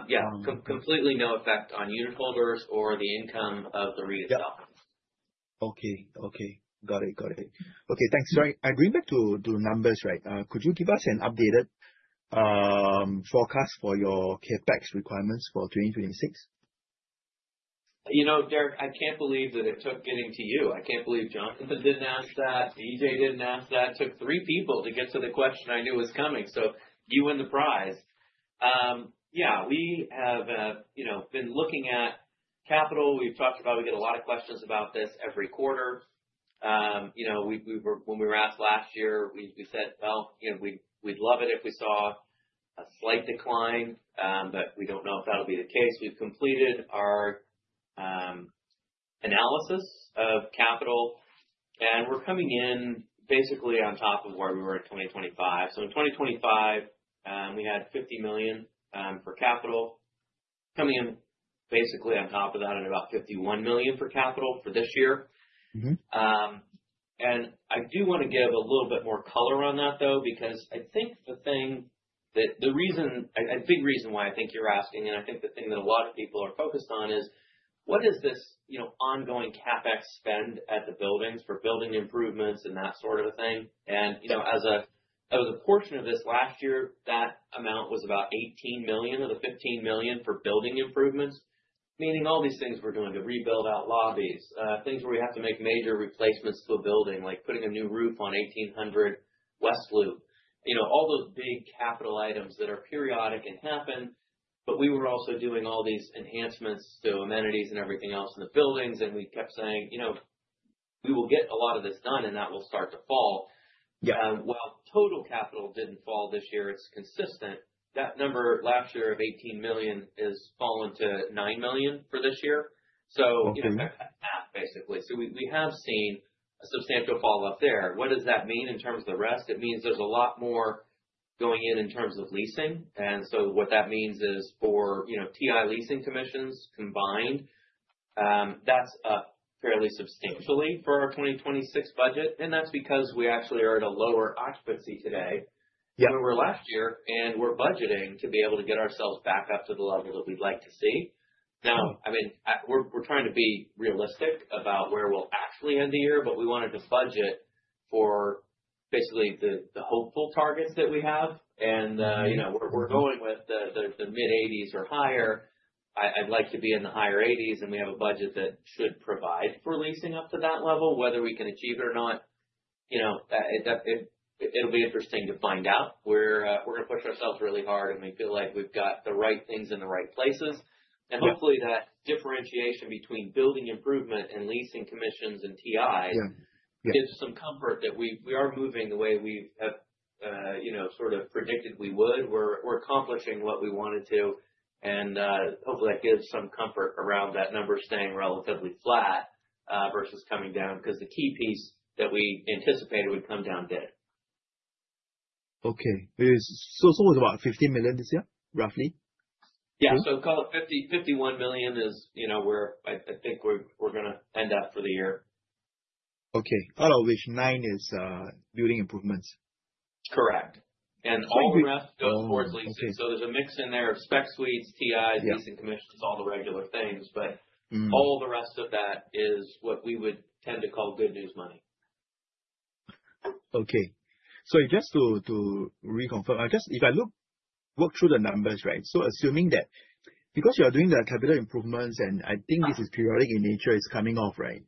Yeah, completely no effect on unitholders or the income of the REIT itself. Yeah. Okay. Got it. Okay, thanks. Sorry, going back to numbers, could you give us an updated forecast for your CapEx requirements for 2026? You know, Derek, I can't believe that it took getting to you. I can't believe Jonathan didn't ask that, EJ didn't ask that. It took three people to get to the question I knew was coming. You win the prize. Yeah, we have been looking at capital. We've talked about, we get a lot of questions about this every quarter. When we were asked last year, we said, "Well, we'd love it if we saw a slight decline, but we don't know if that'll be the case." We've completed our analysis of capital, and we're coming in basically on top of where we were at 2025. In 2025, we had $50 million for capital. Coming in basically on top of that at about $51 million for capital for this year. I do want to give a little bit more color on that, though, because I think the big reason why I think you're asking, and I think the thing that a lot of people are focused on is, what is this ongoing CapEx spend at the buildings for building improvements and that sort of thing? As a portion of this last year, that amount was about $18 million of the $15 million for building improvements. Meaning all these things we're doing to rebuild out lobbies, things where we have to make major replacements to a building, like putting a new roof on 1800 West Loop South. All those big capital items that are periodic and happen. We were also doing all these enhancements to amenities and everything else in the buildings, and we kept saying, "We will get a lot of this done, and that will start to fall. Yeah. While total capital didn't fall this year, it's consistent. That number last year of $18 million has fallen to $9 million for this year. Cut that in half, basically. We have seen a substantial follow-up there. What does that mean in terms of the rest? It means there's a lot more going in terms of leasing. What that means is for TI leasing commissions combined, that's up fairly substantially for our 2026 budget, and that's because we actually are at a lower occupancy today. Yeah than we were last year, we're budgeting to be able to get ourselves back up to the level that we'd like to see. We're trying to be realistic about where we'll actually end the year, we wanted to budget for basically the hopeful targets that we have. We're going with the mid-80s or higher. I'd like to be in the higher 80s, and we have a budget that should provide for leasing up to that level. Whether we can achieve it or not, it'll be interesting to find out. We're going to push ourselves really hard, and we feel like we've got the right things in the right places. Yeah. Hopefully, that differentiation between building improvement and leasing commissions and TI Yeah gives some comfort that we are moving the way we have sort of predicted we would. We're accomplishing what we wanted to, hopefully that gives some comfort around that number staying relatively flat versus coming down. The key piece that we anticipated would come down didn't. It's about $50 million this year, roughly? Yeah. Call it 50, $51 million is where I think we're going to end up for the year. Okay. Out of which $9 is building improvements. Correct. All the rest goes towards leasing. Okay. There's a mix in there of spec suites, TIs. Yeah leasing commissions, all the regular things. All the rest of that is what we would tend to call good news money. Okay. Just to reconfirm, if I look, work through the numbers, right? Assuming that because you are doing the capital improvements, and I think this is periodic in nature, it's coming off, right?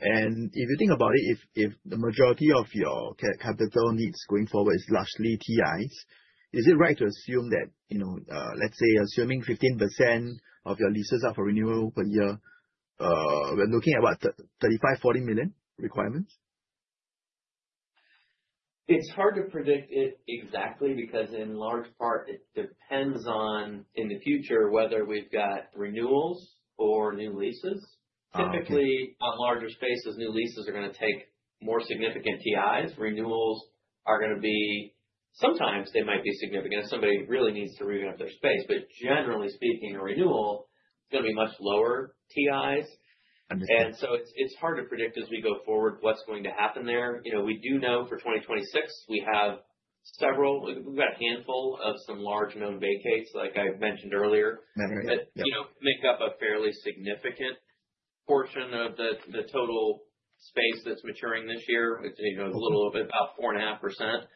If you think about it, if the majority of your capital needs going forward is largely TIs, is it right to assume that, let's say assuming 15% of your leases are for renewal per year We're looking at what? $35 million-$40 million requirements? It's hard to predict it exactly because in large part it depends on, in the future, whether we've got renewals or new leases. Oh, okay. Typically, on larger spaces, new leases are going to take more significant TIs. Renewals are going to be. Sometimes they might be significant if somebody really needs to renew their space. Generally speaking, a renewal is going to be much lower TIs. Understood. It's hard to predict as we go forward what's going to happen there. We do know for 2026 we've got a handful of some large known vacates, like I mentioned earlier. Right. Yep. That make up a fairly significant portion of the total space that's maturing this year. It's a little bit about 4.5%.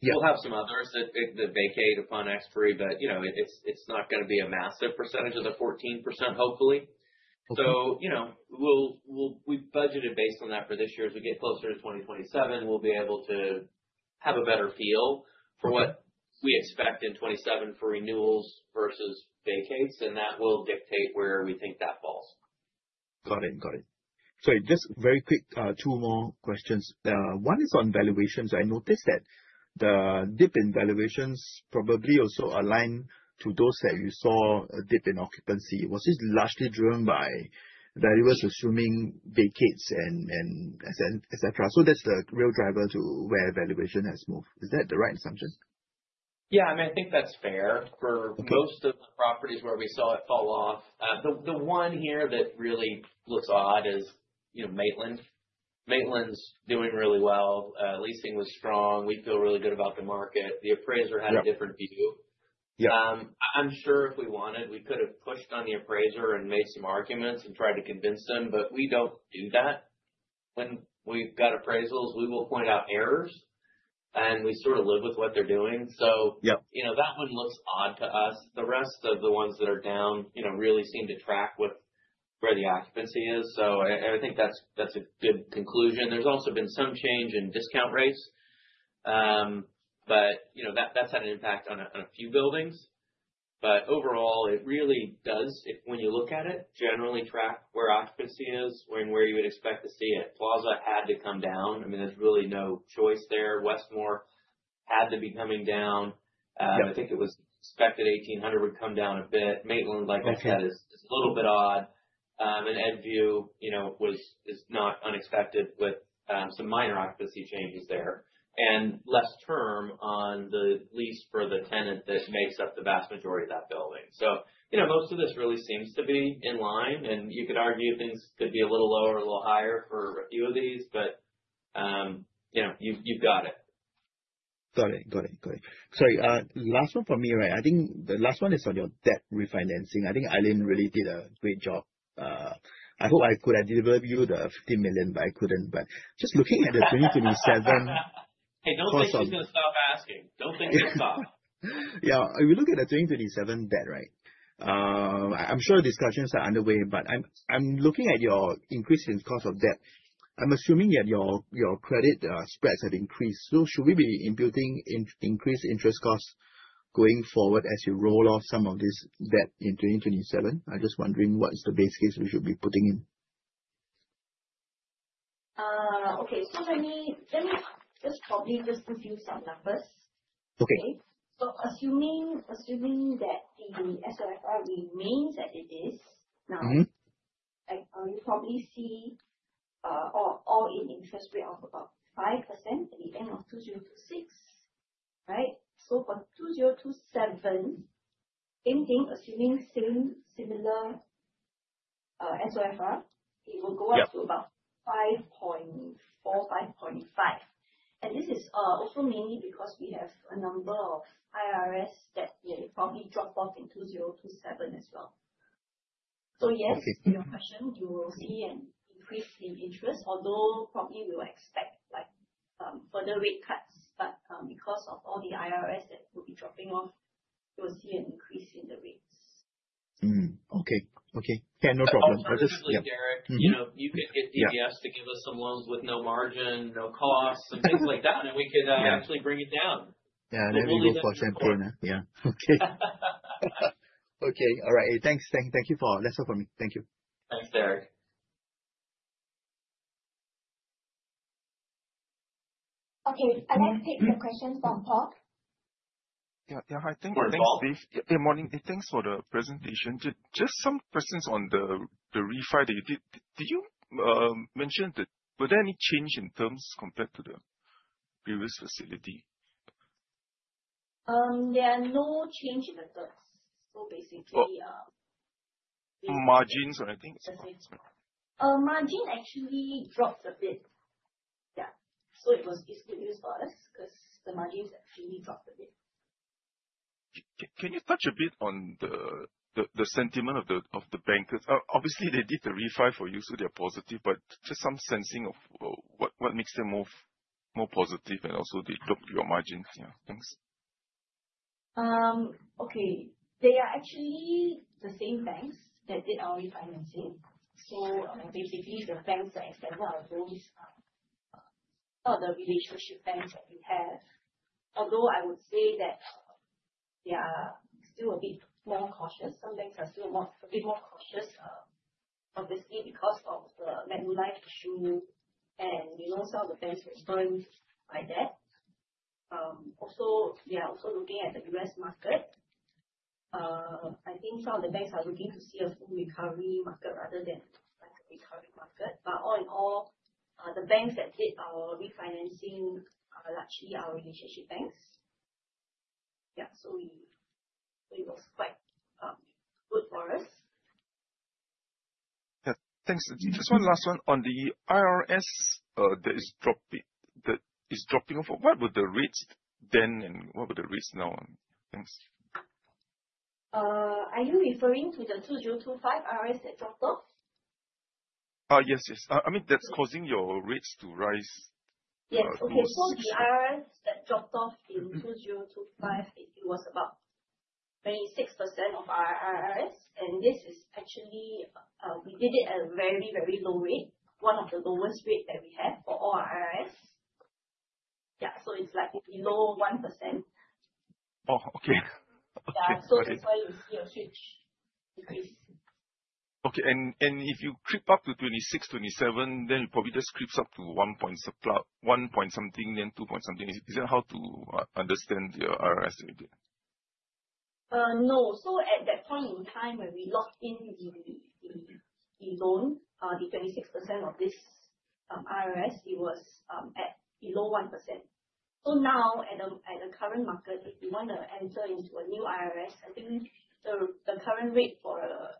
Yep. We'll have some others that vacate upon expiry, it's not going to be a massive percentage of the 14%, hopefully. Okay. We budgeted based on that for this year. As we get closer to 2027, we'll be able to have a better feel for what we expect in 2027 for renewals versus vacates, and that will dictate where we think that falls. Got it. Sorry, just very quick, two more questions. One is on valuations. I noticed that the dip in valuations probably also align to those that you saw a dip in occupancy. Was this largely driven by valuers assuming vacates and et cetera? That's the real driver to where valuation has moved. Is that the right assumption? Yeah. I think that's fair. Okay. For most of the properties where we saw it fall off. The one here that really looks odd is Maitland. Maitland's doing really well. Leasing was strong. We feel really good about the market. The appraiser had- Yep a different view. Yep. I'm sure if we wanted, we could've pushed on the appraiser and made some arguments and tried to convince them, but we don't do that. When we've got appraisals, we will point out errors, and we sort of live with what they're doing. Yep That one looks odd to us. The rest of the ones that are down really seem to track with where the occupancy is. I think that's a good conclusion. There's also been some change in discount rates. That's had an impact on a few buildings. Overall, it really does, when you look at it, generally track where occupancy is and where you would expect to see it. Plaza had to come down. There's really no choice there. Westmore had to be coming down. Yep. I think it was expected 1,800 would come down a bit. Maitland, like I said, is a little bit odd. Edgeview is not unexpected with some minor occupancy changes there, and less term on the lease for the tenant that makes up the vast majority of that building. Most of this really seems to be in line, and you could argue things could be a little lower or a little higher for a few of these, but you've got it. Got it. Sorry, last one from me. I think the last one is on your debt refinancing. I think Eileen really did a great job. I hope I could have delivered you the $50 million, but I couldn't. Just looking at the 2027. Hey, don't think she's going to stop asking. Don't think she'll stop. Yeah. If you look at the 2027 debt, I'm sure discussions are underway, but I'm looking at your increase in cost of debt. I'm assuming that your credit spreads have increased. Should we be inputting increased interest costs going forward as you roll off some of this debt in 2027? I'm just wondering what is the base case we should be putting in. Okay. Let me just probably give you some numbers. Okay. Assuming that the SOFR remains as it is now, You probably see all-in interest rate of about 5% at the end of 2026. Right? For 2027, same thing, assuming similar SOFR, it will go up. Yep to about 5.4, 5.5. This is also mainly because we have a number of IRS that will probably drop off in 2027 as well. Yes- Okay to your question, you will see an increase in interest, although probably we will expect further rate cuts. Because of all the IRS that will be dropping off, you'll see an increase in the rates. Okay. Yeah, no problem. Alternatively Derek- Yeah You could get DBS to give us some loans with no margin, no costs, and things like that. We could actually bring it down. Yeah. We go for champagne. Yeah. Okay. Okay. All right. That's all from me. Thank you. Thanks, Derek. Okay. I will take the question from Paul. Yeah. Hi. Thank you. For Paul. Yeah. Morning. Thanks for the presentation. Just some questions on the refi that you did. Did you mention that? Was there any change in terms compared to the previous facility? There are no change in the terms. Margins or anything? Margin actually dropped a bit. Yeah. It was good news for us because the margins actually dropped a bit. Can you touch a bit on the sentiment of the bankers? Obviously, they did the refi for you, so they're positive, just some sensing of what makes them more positive also they dropped your margins. Yeah. Thanks. Okay. They are actually the same banks that did our refinancing. Basically, the banks that extended our loans Some of the relationship banks that we have, although I would say that they are still a bit more cautious. Some banks are still a bit more cautious, obviously, because of the Magnite issue. We know some of the banks were burned by that. They are also looking at the U.S. market. I think some of the banks are looking to see a full recovery market rather than a recovery market. All in all, the banks that did our refinancing are largely our relationship banks. Yeah. It was quite good for us. Yeah. Thanks. Just one last one. On the IRS, that is dropping off, what were the rates then and what were the rates now? Thanks. Are you referring to the 2025 IRS that dropped off? Yes. I mean, that's causing your rates to rise. Yes. Okay. The IRS that dropped off in 2025, it was about 26% of our IRS, and this is actually, we did it at a very, very low rate. One of the lowest rate that we have for all our IRS. Yeah. It's like below 1%. Oh, okay. Yeah. That's why you see a switch decrease. Okay. If you creep up to 26, 27, then it probably just creeps up to 1 point something, then 2 point something. Is that how to understand the IRS a bit? No. At that point in time when we locked in the loan, the 26% of this IRS, it was at below 1%. Now, at the current market, if we want to enter into a new IRS, I think the current rate for a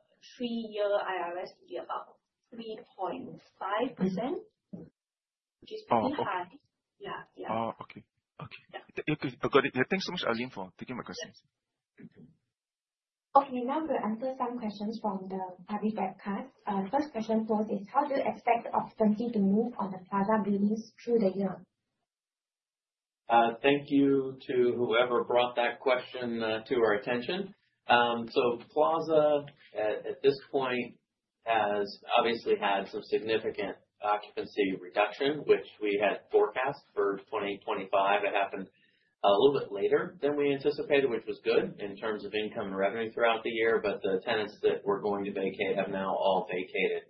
3-year IRS will be about 3.5%, which is pretty high. Oh, okay. Yeah. Okay. Got it. Thanks so much, Eileen, for taking my questions. Yes. Thank you. Okay. Now we'll answer some questions from the public webcast. First question for us is, how do you expect occupancy to move on the Plaza Buildings through the year? Thank you to whoever brought that question to our attention. Plaza, at this point, has obviously had some significant occupancy reduction, which we had forecast for 2025. It happened a little bit later than we anticipated, which was good in terms of income and revenue throughout the year. The tenants that were going to vacate have now all vacated.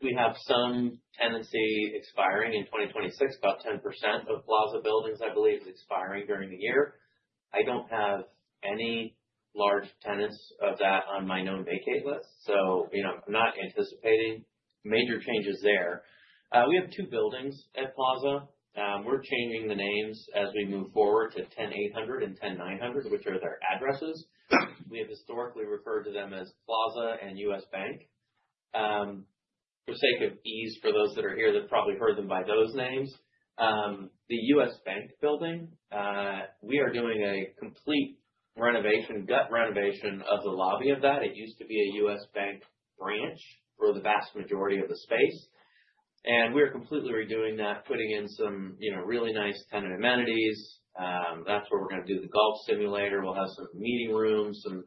We have some tenancy expiring in 2026. About 10% of Plaza Buildings, I believe, is expiring during the year. I don't have any large tenants of that on my known vacate list, I'm not anticipating major changes there. We have two buildings at Plaza. We're changing the names as we move forward to 10800 and 10900, which are their addresses. We have historically referred to them as Plaza and U.S. Bank. For sake of ease, for those that are here that probably heard them by those names. The U.S. Bank building, we are doing a complete gut renovation of the lobby of that. It used to be a U.S. Bank branch for the vast majority of the space. We're completely redoing that, putting in some really nice tenant amenities. That's where we're going to do the golf simulator. We'll have some meeting rooms, some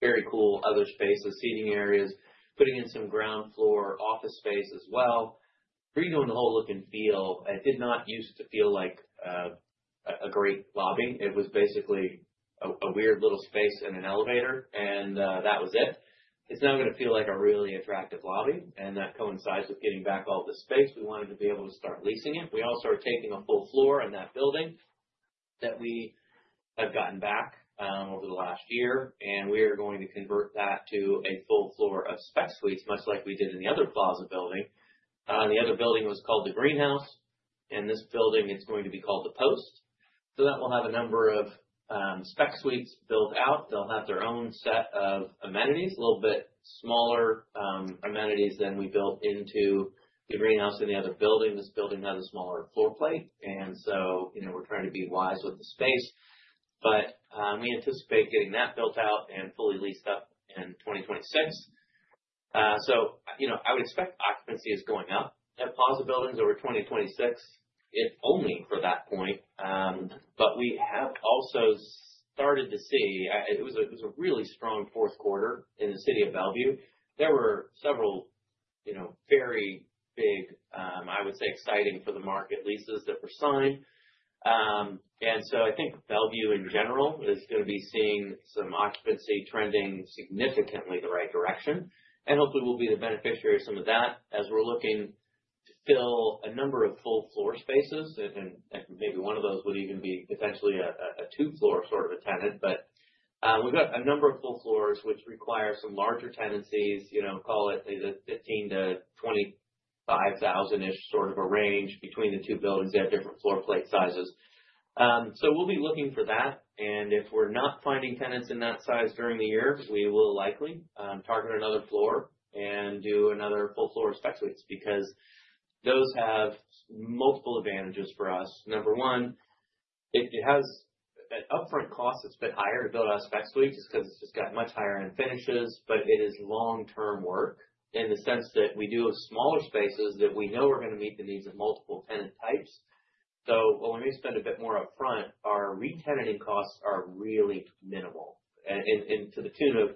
very cool other spaces, seating areas. Putting in some ground floor office space as well, redoing the whole look and feel. It did not used to feel like a great lobby. It was basically a weird little space and an elevator, and that was it. It's now going to feel like a really attractive lobby, and that coincides with getting back all the space. We wanted to be able to start leasing it. We all started taking a full floor in that building that we have gotten back over the last year, we are going to convert that to a full floor of spec suites, much like we did in the other Plaza building. The other building was called The Greenhouse, this building is going to be called The Post. That will have a number of spec suites built out. They'll have their own set of amenities, a little bit smaller amenities than we built into The Greenhouse in the other building. This building has a smaller floor plate, we're trying to be wise with the space. We anticipate getting that built out and fully leased up in 2026. I would expect occupancy is going up at Plaza Buildings over 2026, if only for that point. We have also started to see, it was a really strong fourth quarter in the city of Bellevue. There were several very big, I would say, exciting for the market leases that were signed. I think Bellevue, in general, is going to be seeing some occupancy trending significantly the right direction. Hopefully, we'll be the beneficiary of some of that as we're looking to fill a number of full floor spaces, and maybe one of those would even be potentially a two-floor sort of a tenant. We've got a number of full floors which require some larger tenancies. Call it a 15,000-25,000-ish sort of a range between the two buildings. They have different floor plate sizes. We'll be looking for that, and if we're not finding tenants in that size during the year, we will likely target another floor and do another full floor of spec suites because those have multiple advantages for us. Number 1, it has an upfront cost that's a bit higher to build out a spec suite just because it's just got much higher end finishes, but it is long-term work in the sense that we do have smaller spaces that we know are going to meet the needs of multiple tenant types. So while we may spend a bit more upfront, our re-tenanting costs are really minimal and to the tune of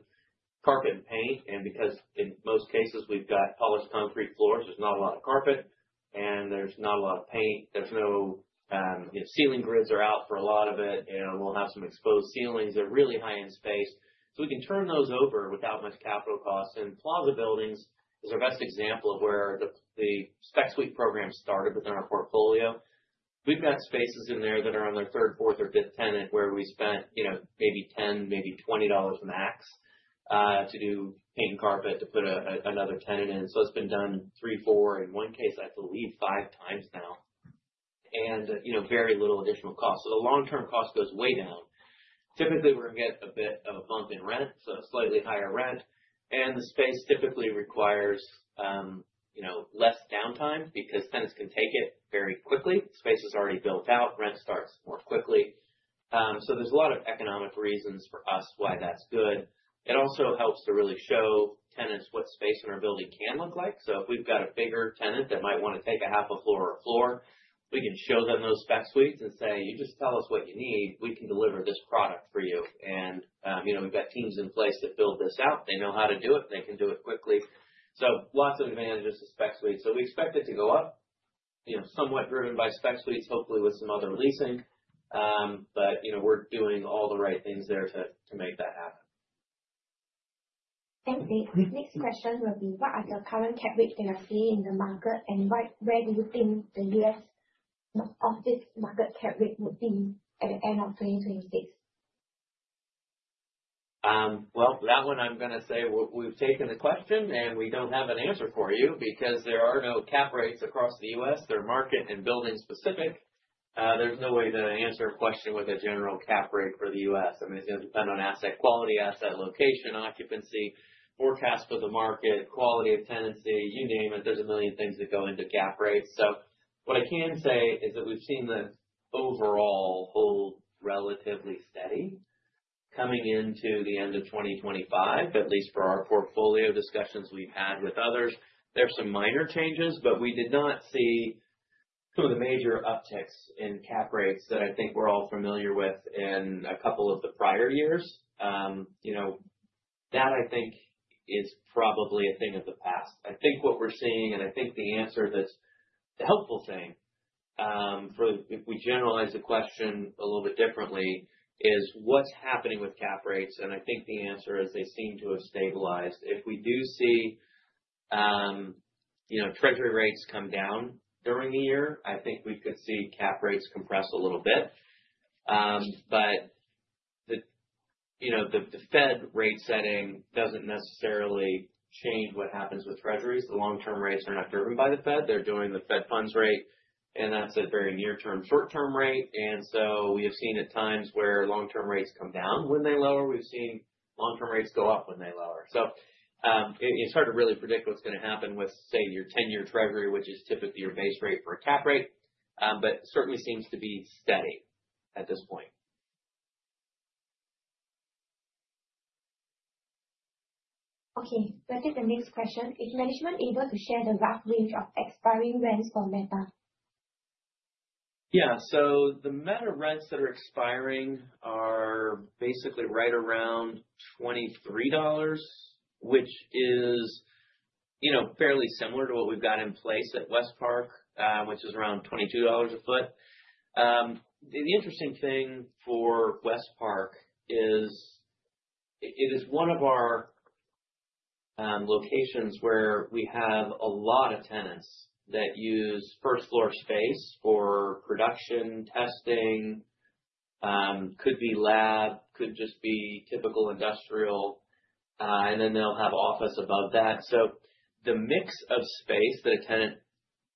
carpet and paint. Because in most cases we've got polished concrete floors, there's not a lot of carpet and there's not a lot of paint. Ceiling grids are out for a lot of it, and we'll have some exposed ceilings. They're really high-end space, so we can turn those over without much capital cost. Plaza Buildings is our best example of where the spec suite program started within our portfolio. We've got spaces in there that are on their third, fourth, or fifth tenant where we spent maybe $10, maybe $20 max, to do paint and carpet to put another tenant in. It's been done three, four, in one case, I believe, five times now and very little additional cost. The long-term cost goes way down. Typically, we're going to get a bit of a bump in rent, so slightly higher rent. The space typically requires less downtime because tenants can take it very quickly. The space is already built out, rent starts more quickly. There's a lot of economic reasons for us why that's good. It also helps to really show tenants what space in our building can look like. If we've got a bigger tenant that might want to take a half a floor or a floor, we can show them those spec suites and say, "You just tell us what you need. We can deliver this product for you." We've got teams in place that build this out. They know how to do it, and they can do it quickly. Lots of advantages to spec suites. We expect it to go up, somewhat driven by spec suites, hopefully with some other leasing. We're doing all the right things there to make that happen. Thanks, Nate. Next question will be, what are your current cap rates that you are seeing in the market, and where do you think the U.S. office market cap rate would be at the end of 2026? Well, that one I'm going to say we've taken the question, and we don't have an answer for you because there are no cap rates across the U.S. They're market and building specific. There's no way to answer a question with a general cap rate for the U.S. It's going to depend on asset quality, asset location, occupancy, forecast for the market, quality of tenancy, you name it. There's a million things that go into cap rates. What I can say is that we've seen the overall hold relatively steady coming into the end of 2025, at least for our portfolio discussions we've had with others. There's some minor changes, but we did not see some of the major upticks in cap rates that I think we're all familiar with in a couple of the prior years. That I think is probably a thing of the past. I think what we're seeing, I think the answer that's the helpful thing, if we generalize the question a little bit differently, is what's happening with cap rates? I think the answer is they seem to have stabilized. If we do see treasury rates come down during the year, I think we could see cap rates compress a little bit. The Fed rate setting doesn't necessarily change what happens with treasuries. The long-term rates are not driven by the Fed. They're doing the Fed funds rate, and that's a very near-term, short-term rate. We have seen at times where long-term rates come down when they lower. We've seen long-term rates go up when they lower. It's hard to really predict what's going to happen with, say, your 10-year treasury, which is typically your base rate for a cap rate, but certainly seems to be steady at this point. Okay. Let's take the next question. Is management able to share the rough range of expiring rents for Meta? Yeah. The Meta rents that are expiring are basically right around $23, which is fairly similar to what we've got in place at Westpark, which is around $22 a foot. The interesting thing for Westpark is it is one of our locations where we have a lot of tenants that use first-floor space for production, testing, could be lab, could just be typical industrial, then they'll have office above that. The mix of space that a tenant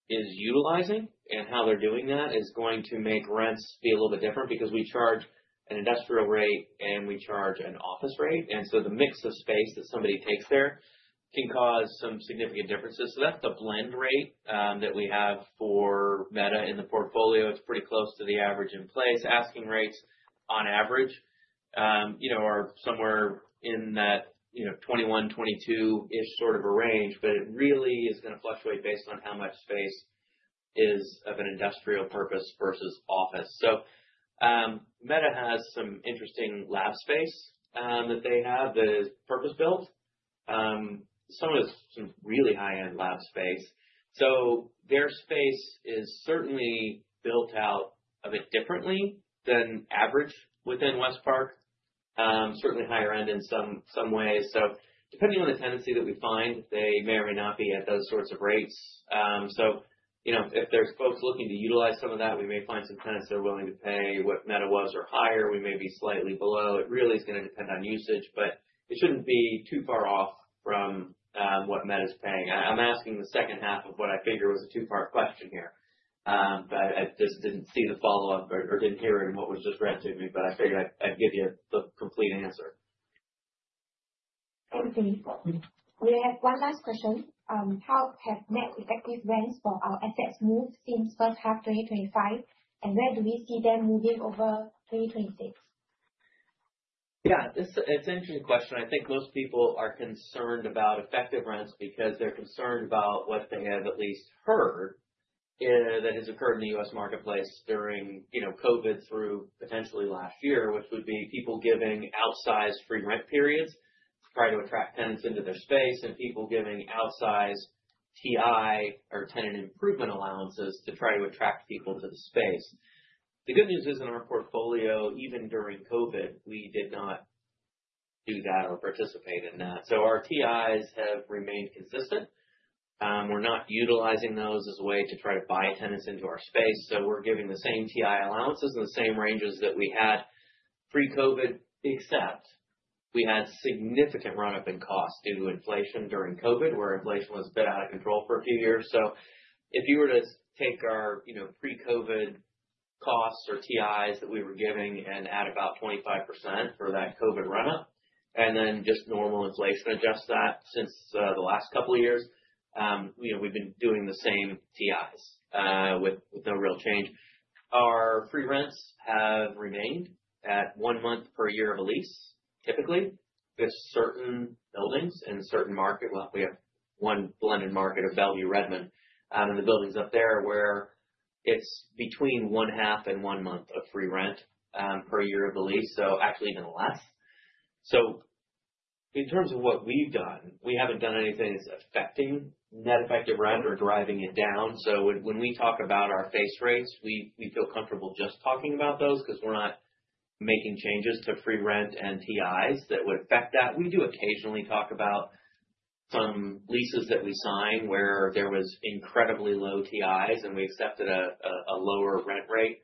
is utilizing and how they're doing that is going to make rents be a little bit different because we charge an industrial rate, we charge an office rate. The mix of space that somebody takes there can cause some significant differences. That's the blend rate that we have for Meta in the portfolio. It's pretty close to the average in place. Asking rates on average are somewhere in that 21, 22-ish sort of a range. It really is going to fluctuate based on how much space is of an industrial purpose versus office. Meta has some interesting lab space that they have that is purpose-built. Some is some really high-end lab space. Their space is certainly built out a bit differently than average within Westpark. Certainly higher end in some ways. Depending on the tenancy that we find, they may or may not be at those sorts of rates. If there's folks looking to utilize some of that, we may find some tenants that are willing to pay what Meta was or higher. We may be slightly below. It really is going to depend on usage, it shouldn't be too far off from what Meta's paying. I'm asking the second half of what I figure was a two-part question here. I just didn't see the follow-up or didn't hear it in what was just read to me, I figured I'd give you the complete answer. Thanks, Nate. We have one last question. How have net effective rents for our assets moved since the first half of 2025, and where do we see them moving over 2026? Yeah. It's an interesting question. I think most people are concerned about effective rents because they're concerned about what they have at least heard that has occurred in the U.S. marketplace during COVID through potentially last year, which would be people giving outsized free rent periods to try to attract tenants into their space, and people giving outsized TI or tenant improvement allowances to try to attract people to the space. The good news is, in our portfolio, even during COVID, we did not do that or participate in that. Our TIs have remained consistent. We're not utilizing those as a way to try to buy tenants into our space, we're giving the same TI allowances and the same ranges that we had pre-COVID, except we had significant run-up in cost due to inflation during COVID, where inflation was a bit out of control for a few years. If you were to take our pre-COVID costs or TIs that we were giving and add about 25% for that COVID run-up, then just normal inflation, adjust that since the last couple of years, we've been doing the same TIs, with no real change. Our free rents have remained at one month per year of a lease, typically, with certain buildings in a certain market. Well, we have one blended market of Bellevue, Redmond, and the buildings up there where it's between one half and one month of free rent per year of the lease. Actually even less. In terms of what we've done, we haven't done anything that's affecting net effective rent or driving it down. When we talk about our face rates, we feel comfortable just talking about those because we're not making changes to free rent and TIs that would affect that. We do occasionally talk about some leases that we sign where there was incredibly low TIs and we accepted a lower rent rate.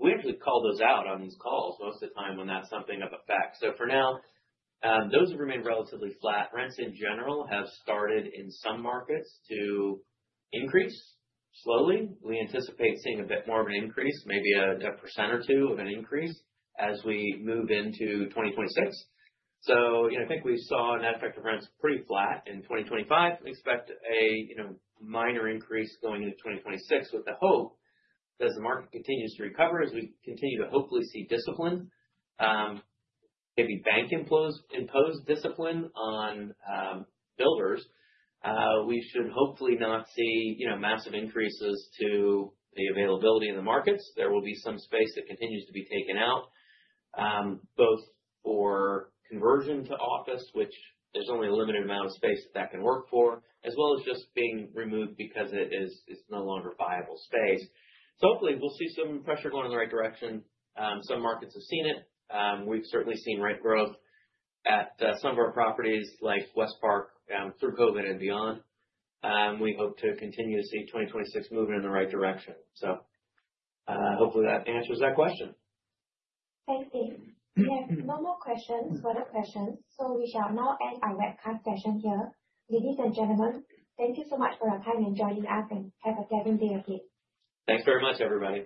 We usually call those out on these calls most of the time when that's something of effect. For now, those have remained relatively flat. Rents in general have started in some markets to increase slowly. We anticipate seeing a bit more of an increase, maybe a percent or two of an increase as we move into 2026. I think we saw net effective rents pretty flat in 2025. We expect a minor increase going into 2026 with the hope that the market continues to recover as we continue to hopefully see discipline, maybe bank-imposed discipline on builders. We should hopefully not see massive increases to the availability in the markets. There will be some space that continues to be taken out, both for conversion to office, which there's only a limited amount of space that that can work for, as well as just being removed because it's no longer viable space. Hopefully we'll see some pressure going in the right direction. Some markets have seen it. We've certainly seen rent growth at some of our properties like Westpark through COVID and beyond. We hope to continue to see 2026 moving in the right direction. Hopefully that answers that question. Thanks, Dave. We have no more questions, further questions. We shall now end our webcast session here. Ladies and gentlemen, thank you so much for your time in joining us and have a pleasant day ahead. Thanks very much, everybody